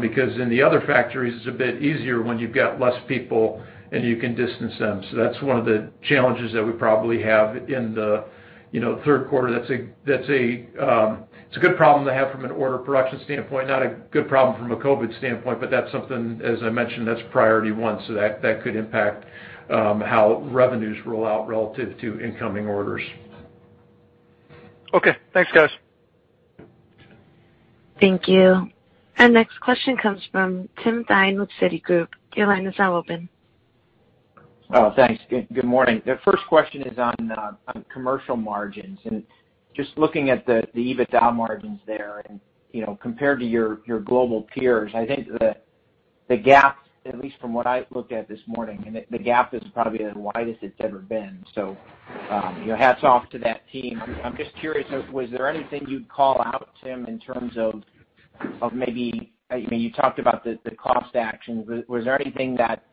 Speaker 2: Because in the other factories, it's a bit easier when you've got less people, and you can distance them. That's one of the challenges that we probably have in the third quarter. It's a good problem to have from an order production standpoint, not a good problem from a COVID standpoint, but that's something, as I mentioned, that's priority one. That could impact how revenues roll out relative to incoming orders.
Speaker 7: Okay. Thanks, guys.
Speaker 1: Thank you. Our next question comes from Timothy Thein with Citigroup. Your line is now open.
Speaker 8: Thanks. Good morning. The first question is on commercial margins. Just looking at the EBITDA margins there and compared to your global peers, I think the gap, at least from what I looked at this morning, and the gap is probably the widest it's ever been. Hats off to that team. I'm just curious, was there anything you'd call out, Tim, in terms of You talked about the cost actions. Was there anything that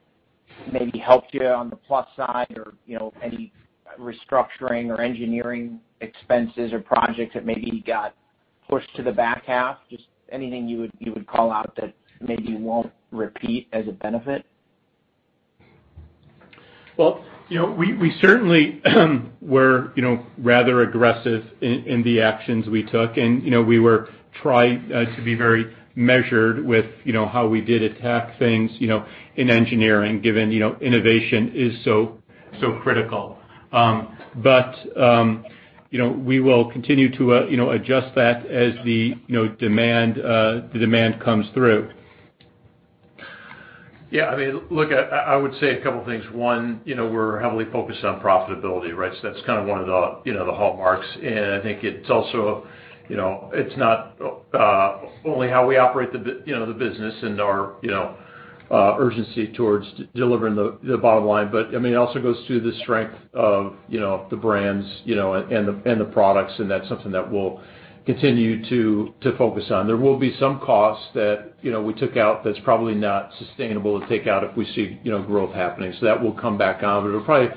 Speaker 8: maybe helped you on the plus side or any restructuring or engineering expenses or projects that maybe got pushed to the back half? Just anything you would call out that maybe won't repeat as a benefit?
Speaker 5: Well, we certainly were rather aggressive in the actions we took, and we were trying to be very measured with how we did attack things in engineering, given innovation is so critical. We will continue to adjust that as the demand comes through.
Speaker 2: Yeah, look, I would say a couple of things. One, we're heavily focused on profitability, right? That's kind of one of the hallmarks, and I think it's not only how we operate the business and our urgency towards delivering the bottom line, but it also goes to the strength of the brands and the products, and that's something that we'll continue to focus on. There will be some costs that we took out that's probably not sustainable to take out if we see growth happening. That will come back on, but it'll probably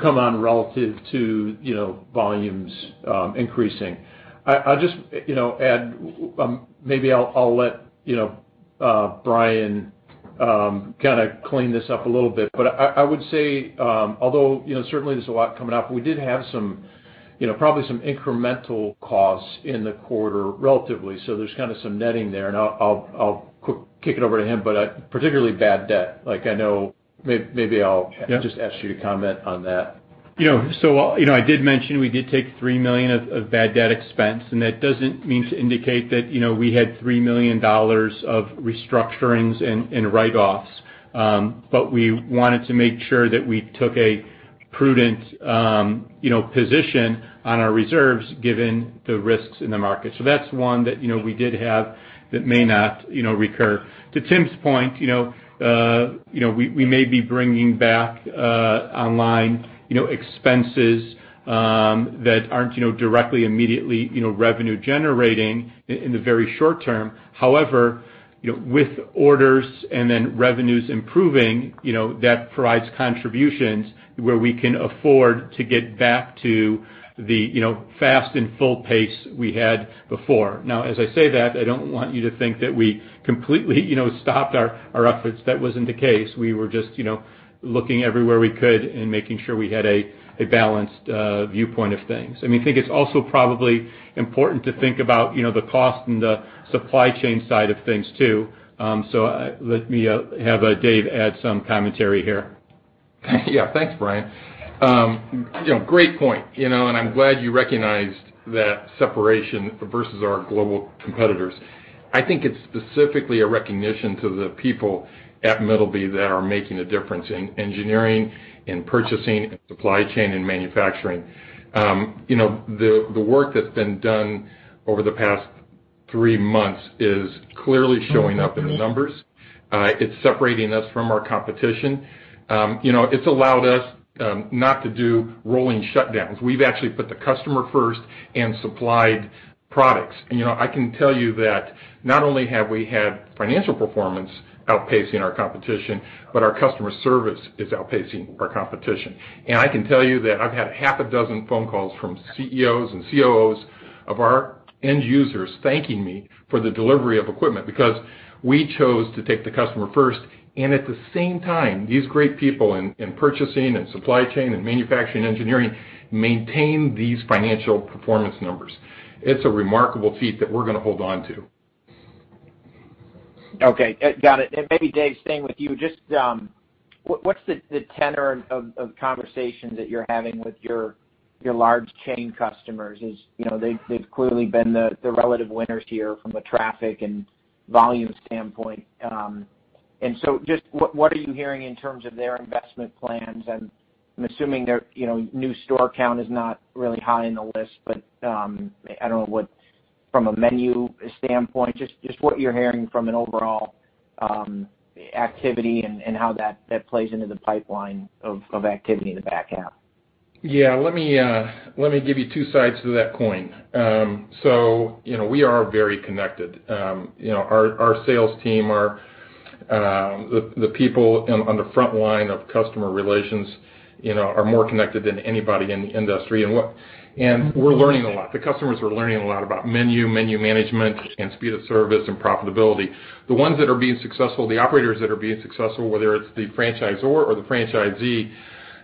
Speaker 2: come on relative to volumes increasing. I'll just add, maybe I'll let Bryan kind of clean this up a little bit. I would say, although certainly there's a lot coming up, we did have probably some incremental costs in the quarter, relatively. There's kind of some netting there, and I'll quick kick it over to him, but particularly bad debt. Maybe I'll just ask you to comment on that.
Speaker 3: I did mention we did take $3 million of bad debt expense, and that doesn't mean to indicate that we had $3 million of restructurings and write-offs. We wanted to make sure that we took a prudent position on our reserves given the risks in the market. That's one that we did have that may not recur. To Tim's point, we may be bringing back online expenses that aren't directly, immediately revenue-generating in the very short term. With orders and then revenues improving, that provides contributions where we can afford to get back to the fast and full pace we had before. As I say that, I don't want you to think that we completely stopped our efforts. That wasn't the case. We were just looking everywhere we could and making sure we had a balanced viewpoint of things. I think it's also probably important to think about the cost and the supply chain side of things, too. Let me have Dave add some commentary here.
Speaker 5: Yeah, thanks, Bryan. I'm glad you recognized that separation versus our global competitors. I think it's specifically a recognition to the people at Middleby Corporation that are making a difference in engineering, in purchasing, and supply chain, and manufacturing. The work that's been done over the past three months is clearly showing up in the numbers. It's separating us from our competition. It's allowed us not to do rolling shutdowns. We've actually put the customer first and supplied products. I can tell you that not only have we had financial performance outpacing our competition, but our customer service is outpacing our competition. I can tell you that I've had half a dozen phone calls from CEOs and COOs of our end users thanking me for the delivery of equipment, because we chose to take the customer first. At the same time, these great people in purchasing and supply chain and manufacturing, engineering, maintain these financial performance numbers. It's a remarkable feat that we're going to hold on to.
Speaker 8: Okay. Got it. Maybe, Dave, staying with you, just what's the tenor of conversations that you're having with your large chain customers, they've clearly been the relative winners here from a traffic and volume standpoint. Just what are you hearing in terms of their investment plans? I'm assuming their new store count is not really high on the list, but, I don't know, from a menu standpoint, just what you're hearing from an overall activity and how that plays into the pipeline of activity in the back half.
Speaker 5: Yeah. Let me give you two sides to that coin. We are very connected. Our sales team, the people on the front line of customer relations are more connected than anybody in the industry. We're learning a lot. The customers are learning a lot about menu management, and speed of service and profitability. The ones that are being successful, the operators that are being successful, whether it's the franchisor or the franchisee,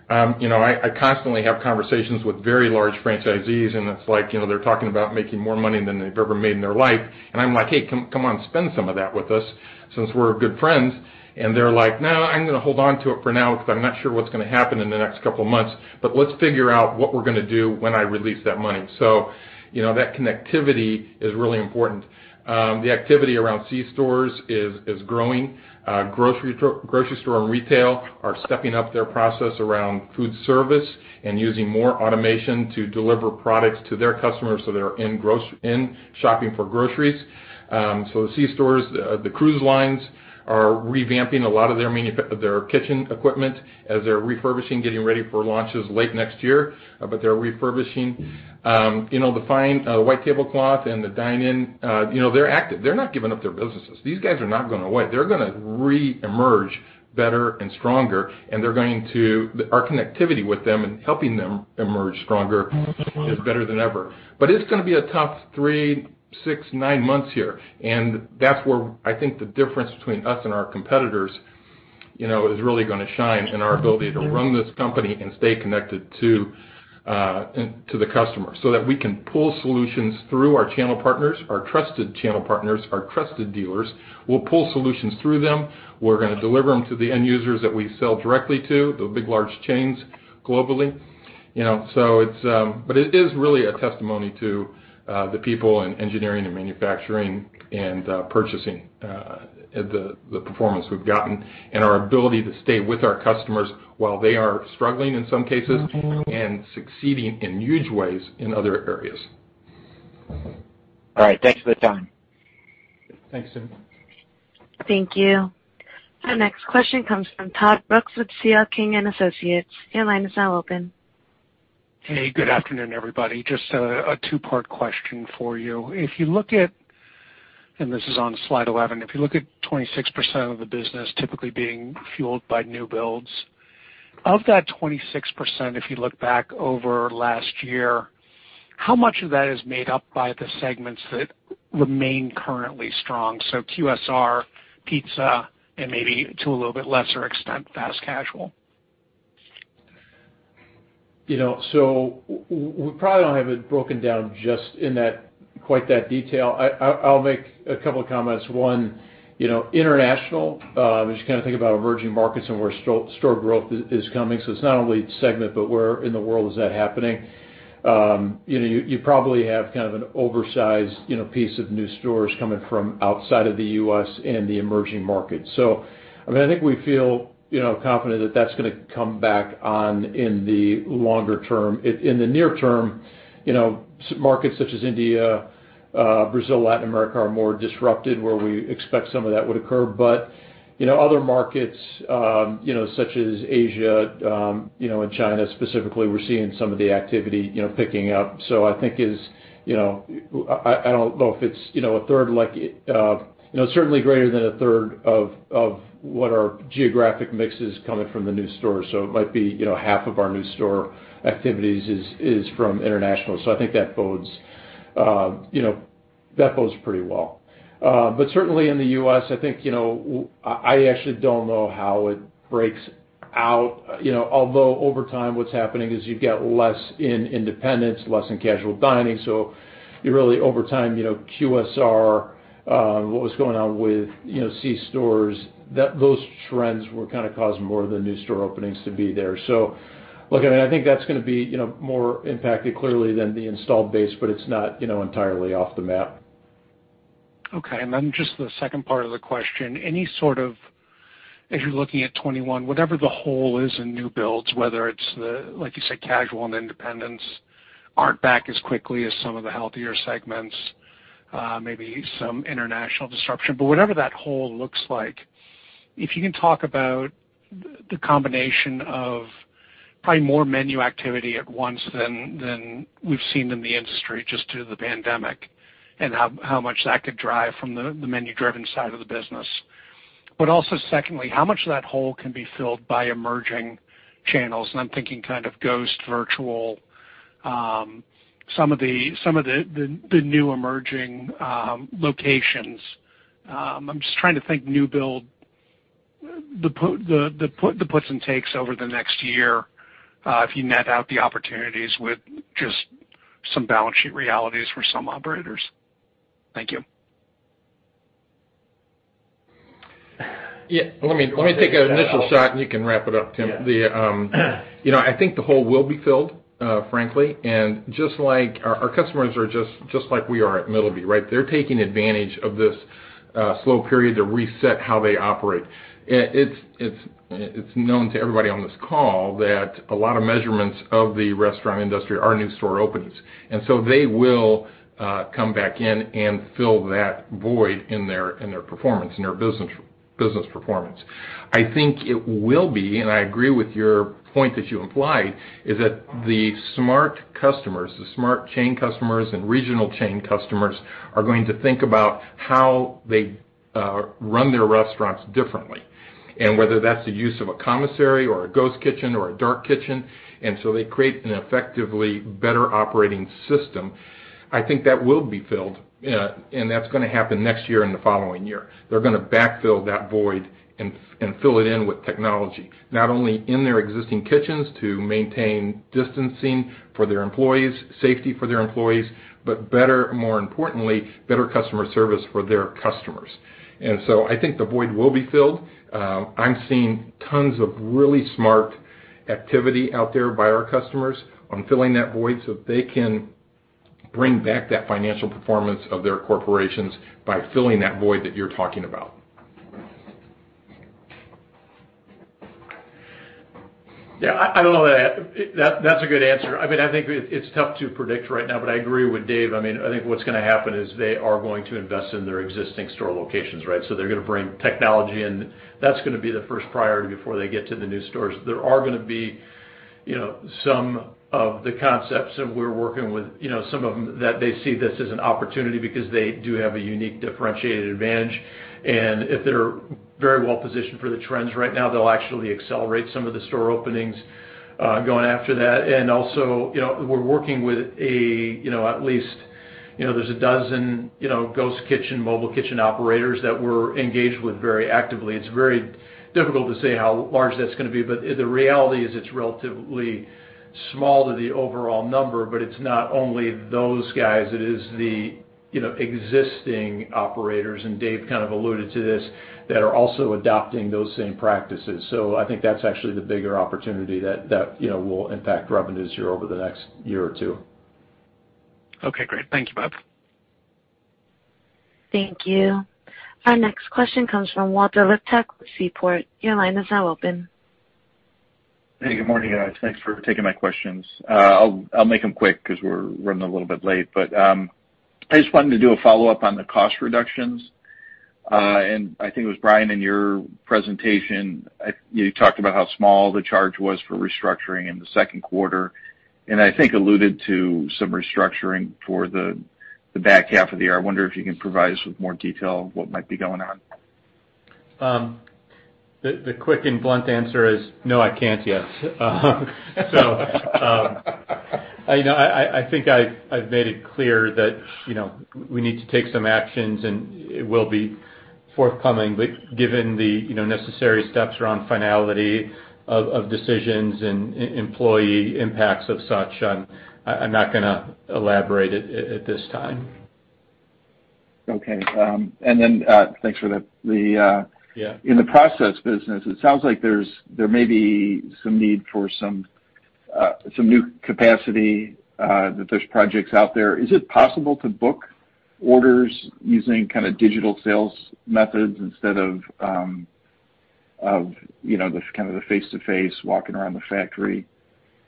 Speaker 5: I constantly have conversations with very large franchisees, and it's like they're talking about making more money than they've ever made in their life. I'm like, "Hey, come on, spend some of that with us since we're good friends." They're like, "No, I'm going to hold onto it for now because I'm not sure what's going to happen in the next couple of months. Let's figure out what we're going to do when I release that money. That connectivity is really important. The activity around C-stores is growing. Grocery store and retail are stepping up their process around food service and using more automation to deliver products to their customers, so they're in shopping for groceries. C-stores, the cruise lines are revamping a lot of their kitchen equipment as they're refurbishing, getting ready for launches late next year. They're refurbishing the fine white tablecloth and the dine-in. They're active. They're not giving up their businesses. These guys are not going away. They're gonna reemerge better and stronger, and our connectivity with them and helping them emerge stronger is better than ever. It's gonna be a tough three, six, nine months here, and that's where I think the difference between us and our competitors is really gonna shine in our ability to run this company and stay connected to the customer, so that we can pull solutions through our channel partners, our trusted channel partners, our trusted dealers. We'll pull solutions through them. We're gonna deliver them to the end users that we sell directly to, the big, large chains globally. It is really a testimony to the people in engineering and manufacturing and purchasing, the performance we've gotten and our ability to stay with our customers while they are struggling in some cases and succeeding in huge ways in other areas.
Speaker 8: All right. Thanks for the time.
Speaker 2: Thanks, Timothy.
Speaker 1: Thank you. Our next question comes from Todd Brooks with C.L. King & Associates. Your line is now open.
Speaker 9: Hey, good afternoon, everybody. Just a two-part question for you. And this is on slide 11, if you look at 26% of the business typically being fueled by new builds, of that 26%, if you look back over last year, how much of that is made up by the segments that remain currently strong? QSR, pizza, and maybe to a little bit lesser extent, fast casual.
Speaker 2: We probably don't have it broken down just in quite that detail. I'll make a couple of comments. One, international, as you kind of think about emerging markets and where store growth is coming, so it's not only segment, but where in the world is that happening? You probably have kind of an oversized piece of new stores coming from outside of the U.S. and the emerging markets. I think we feel confident that that's gonna come back on in the longer term. In the near term, markets such as India, Brazil, Latin America, are more disrupted, where we expect some of that would occur. Other markets such as Asia, and China specifically, we're seeing some of the activity picking up. I don't know if it's a third, like it's certainly greater than a third of what our geographic mix is coming from the new stores. It might be half of our new store activities is from international. I think that bodes very well. Certainly in the U.S., I actually don't know how it breaks out. Over time, what's happening is you get less in independents, less in casual dining. Really over time, QSR, what was going on with C-stores, those trends were causing more of the new store openings to be there. Look, I think that's going to be more impacted clearly than the installed base, but it's not entirely off the map.
Speaker 9: Okay, just the second part of the question, any sort of, as you're looking at 2021, whatever the hole is in new builds, whether it's the, like you said, casual and independents aren't back as quickly as some of the healthier segments, maybe some international disruption. Whatever that hole looks like, if you can talk about the combination of probably more menu activity at once than we've seen in the industry, just due to the pandemic, and how much that could drive from the menu-driven side of the business. Also secondly, how much of that hole can be filled by emerging channels, and I'm thinking kind of ghost, virtual, some of the new emerging locations. I'm just trying to think new build, the puts and takes over the next year, if you net out the opportunities with just some balance sheet realities for some operators. Thank you.
Speaker 5: Yeah, let me take an initial shot, and you can wrap it up, Tim.
Speaker 2: Yeah.
Speaker 5: I think the hole will be filled, frankly. Our customers are just like we are at Middleby Corporation, right? They're taking advantage of this slow period to reset how they operate. It's known to everybody on this call that a lot of measurements of the restaurant industry are new store openings. They will come back in and fill that void in their performance, in their business performance. I think it will be, I agree with your point that you implied, is that the smart customers, the smart chain customers and regional chain customers, are going to think about how they run their restaurants differently, and whether that's the use of a commissary or a ghost kitchen or a dark kitchen. They create an effectively better operating system. I think that will be filled, that's going to happen next year and the following year. They're going to backfill that void and fill it in with technology, not only in their existing kitchens to maintain distancing for their employees, safety for their employees, but more importantly, better customer service for their customers. I think the void will be filled. I'm seeing tons of really smart activity out there by our customers on filling that void so they can bring back that financial performance of their corporations by filling that void that you're talking about.
Speaker 2: Yeah, I will add. That's a good answer. I think it's tough to predict right now, but I agree with Dave. I think what's going to happen is they are going to invest in their existing store locations, right? They're going to bring technology in. That's going to be the first priority before they get to the new stores. There are going to be some of the concepts that we're working with, some of them that they see this as an opportunity because they do have a unique differentiated advantage. If they're very well positioned for the trends right now, they'll actually accelerate some of the store openings going after that. Also, we're working with at least a dozen ghost kitchen, mobile kitchen operators that we're engaged with very actively. It's very difficult to say how large that's going to be. The reality is it's relatively small to the overall number, but it's not only those guys, it is the existing operators, and Dave kind of alluded to this, that are also adopting those same practices. I think that's actually the bigger opportunity that will impact revenues here over the next year or two.
Speaker 9: Okay, great. Thank you, both.
Speaker 1: Thank you. Our next question comes from Walter Liptak with Seaport. Your line is now open.
Speaker 10: Hey, good morning, guys. Thanks for taking my questions. I'll make them quick because we're running a little bit late. I just wanted to do a follow-up on the cost reductions. I think it was Bryan, in your presentation, you talked about how small the charge was for restructuring in the second quarter, and I think alluded to some restructuring for the back half of the year. I wonder if you can provide us with more detail on what might be going on.
Speaker 3: The quick and blunt answer is no, I can't yet. I think I've made it clear that we need to take some actions, and it will be forthcoming. Given the necessary steps around finality of decisions and employee impacts of such, I'm not going to elaborate at this time.
Speaker 10: Okay. Thanks for that.
Speaker 3: Yeah.
Speaker 10: In the process business, it sounds like there may be some need for some new capacity, that there's projects out there. Is it possible to book orders using digital sales methods instead of the face-to-face walking around the factory?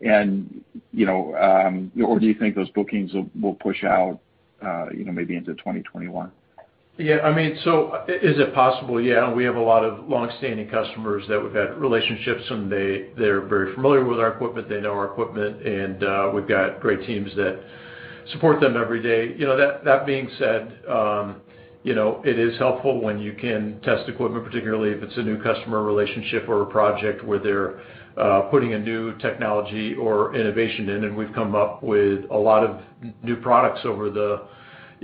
Speaker 10: Do you think those bookings will push out maybe into 2021?
Speaker 2: Yeah. Is it possible? Yeah. We have a lot of longstanding customers that we've had relationships, and they're very familiar with our equipment. They know our equipment, and we've got great teams that support them every day. That being said, it is helpful when you can test equipment, particularly if it's a new customer relationship or a project where they're putting a new technology or innovation in, and we've come up with a lot of new products over the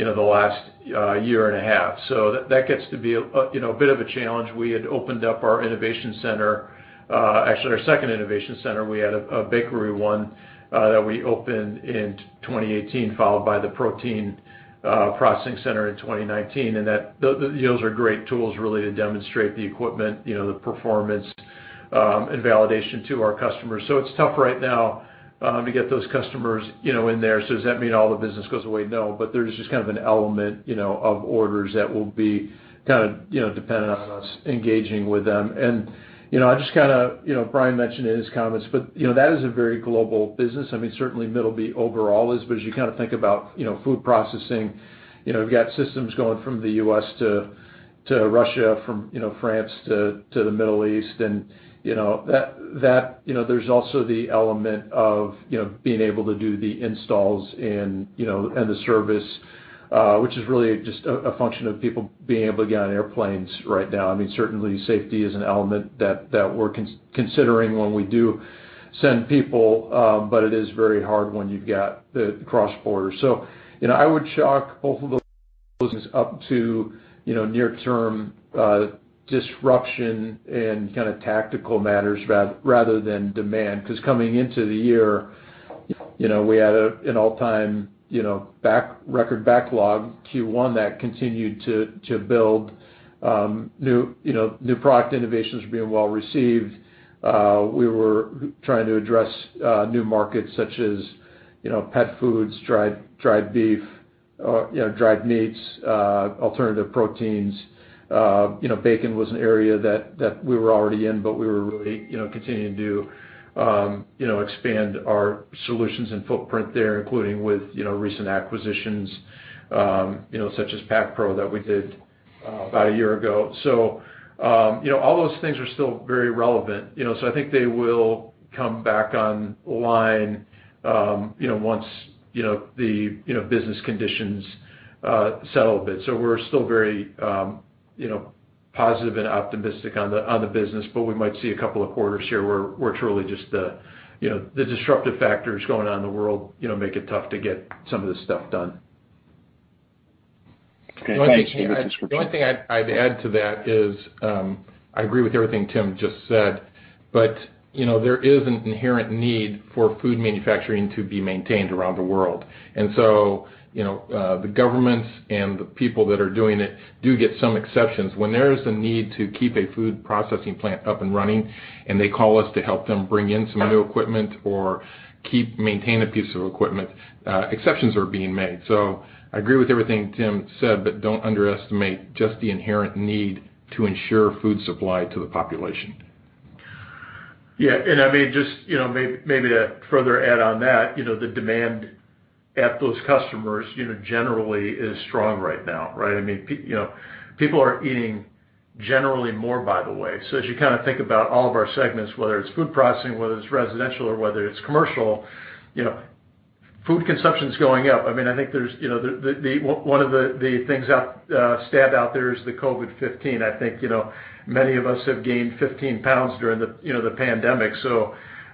Speaker 2: last year and a half. That gets to be a bit of a challenge. We had opened up our innovation center, actually our second innovation center. We had a bakery one that we opened in 2018, followed by the protein processing center in 2019, and those are great tools, really, to demonstrate the equipment, the performance, and validation to our customers. It's tough right now to get those customers in there. Does that mean all the business goes away? No, but there's just kind of an element of orders that will be kind of dependent on us engaging with them. Bryan mentioned in his comments, but that is a very global business. Certainly Middleby Corporation overall is, but as you kind of think about food processing, we've got systems going from the U.S. to Russia, from France to the Middle East. There's also the element of being able to do the installs and the service, which is really just a function of people being able to get on airplanes right now. Certainly, safety is an element that we're considering when we do send people, but it is very hard when you've got cross-border. I would chalk both of those up to near-term disruption and kind of tactical matters rather than demand. Coming into the year, we had an all-time record backlog Q1 that continued to build. New product innovations were being well received. We were trying to address new markets such as pet foods, dried beef, dried meats, alternative proteins. Bacon was an area that we were already in, but we were really continuing to expand our solutions and footprint there, including with recent acquisitions such as Pacproinc that we did about a year ago. All those things are still very relevant. I think they will come back online once the business conditions settle a bit. We're still very positive and optimistic on the business, but we might see a couple of quarters here where truly, just the disruptive factors going on in the world make it tough to get some of this stuff done.
Speaker 10: Okay, thanks.
Speaker 5: The only thing I'd add to that is, I agree with everything Tim just said, but there is an inherent need for food manufacturing to be maintained around the world. The governments and the people that are doing it do get some exceptions. When there is a need to keep a food processing plant up and running, and they call us to help them bring in some new equipment or maintain a piece of equipment, exceptions are being made. I agree with everything Tim said, but don't underestimate just the inherent need to ensure food supply to the population.
Speaker 2: Yeah. Maybe to further add on that, the demand at those customers generally is strong right now, right? People are eating generally more, by the way. As you kind of think about all of our segments, whether it's food processing, whether it's residential, or whether it's commercial, food consumption is going up. One of the things stood out there is the COVID 15. I think many of us have gained 15 pounds during the pandemic.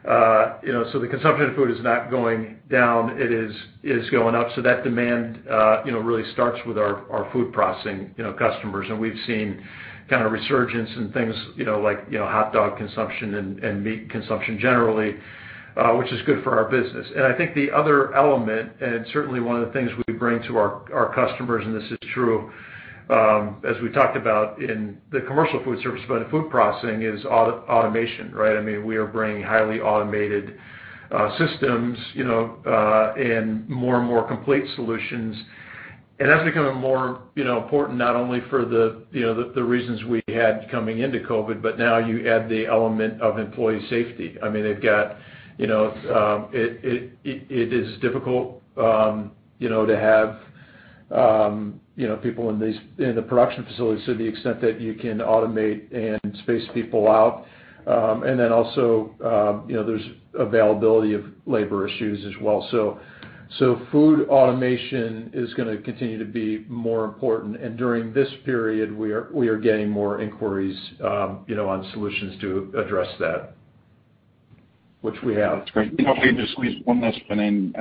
Speaker 2: The consumption of food is not going down. It is going up. That demand really starts with our food processing customers. We've seen a kind of resurgence in things like hot dog consumption and meat consumption generally, which is good for our business. I think the other element, and certainly one of the things we bring to our customers, and this is true as we talked about in the commercial food service, but in food processing, is automation, right? We are bringing highly automated systems and more and more complete solutions. That's becoming more important not only for the reasons we had coming into COVID, but now you add the element of employee safety. It is difficult to have people in the production facilities to the extent that you can automate and space people out. Then also, there's availability of labor issues as well. Food automation is going to continue to be more important, and during this period, we are getting more inquiries on solutions to address that, which we have.
Speaker 10: Great. If I could just please, one last one in.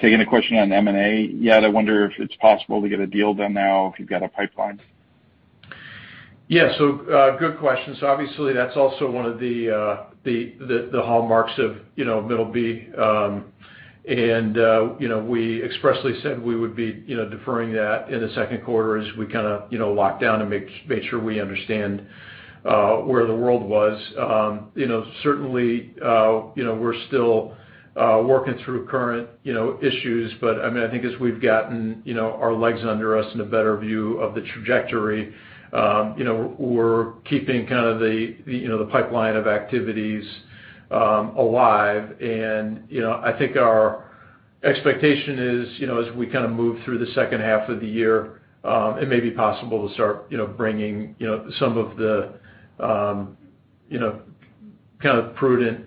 Speaker 2: Sure.
Speaker 10: I don't think you've taken a question on M&A yet. I wonder if it's possible to get a deal done now, if you've got a pipeline.
Speaker 2: Good question. Obviously, that's also one of the hallmarks of Middleby Corporation. We expressly said we would be deferring that in the second quarter as we kind of lock down and make sure we understand where the world was. Certainly, we're still working through current issues, but I think as we've gotten our legs under us and a better view of the trajectory, we're keeping kind of the pipeline of activities alive. I think our expectation is, as we kind of move through the second half of the year, it may be possible to start bringing some of the kind of prudent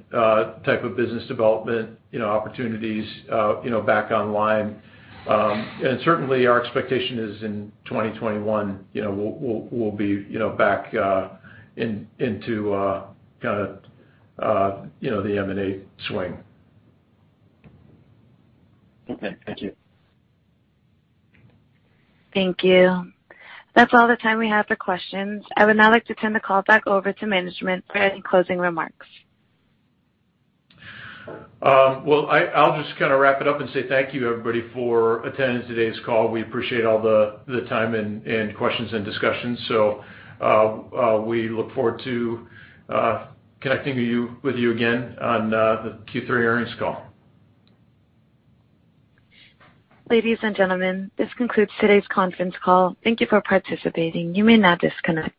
Speaker 2: type of business development opportunities back online. Certainly, our expectation is in 2021, we'll be back into the M&A swing.
Speaker 10: Okay. Thank you.
Speaker 1: Thank you. That's all the time we have for questions. I would now like to turn the call back over to management for any closing remarks.
Speaker 2: I'll just kind of wrap it up and say thank you, everybody, for attending today's call. We appreciate all the time and questions and discussions. We look forward to connecting with you again on the Q3 earnings call.
Speaker 1: Ladies and gentlemen, this concludes today's conference call. Thank you for participating. You may now disconnect.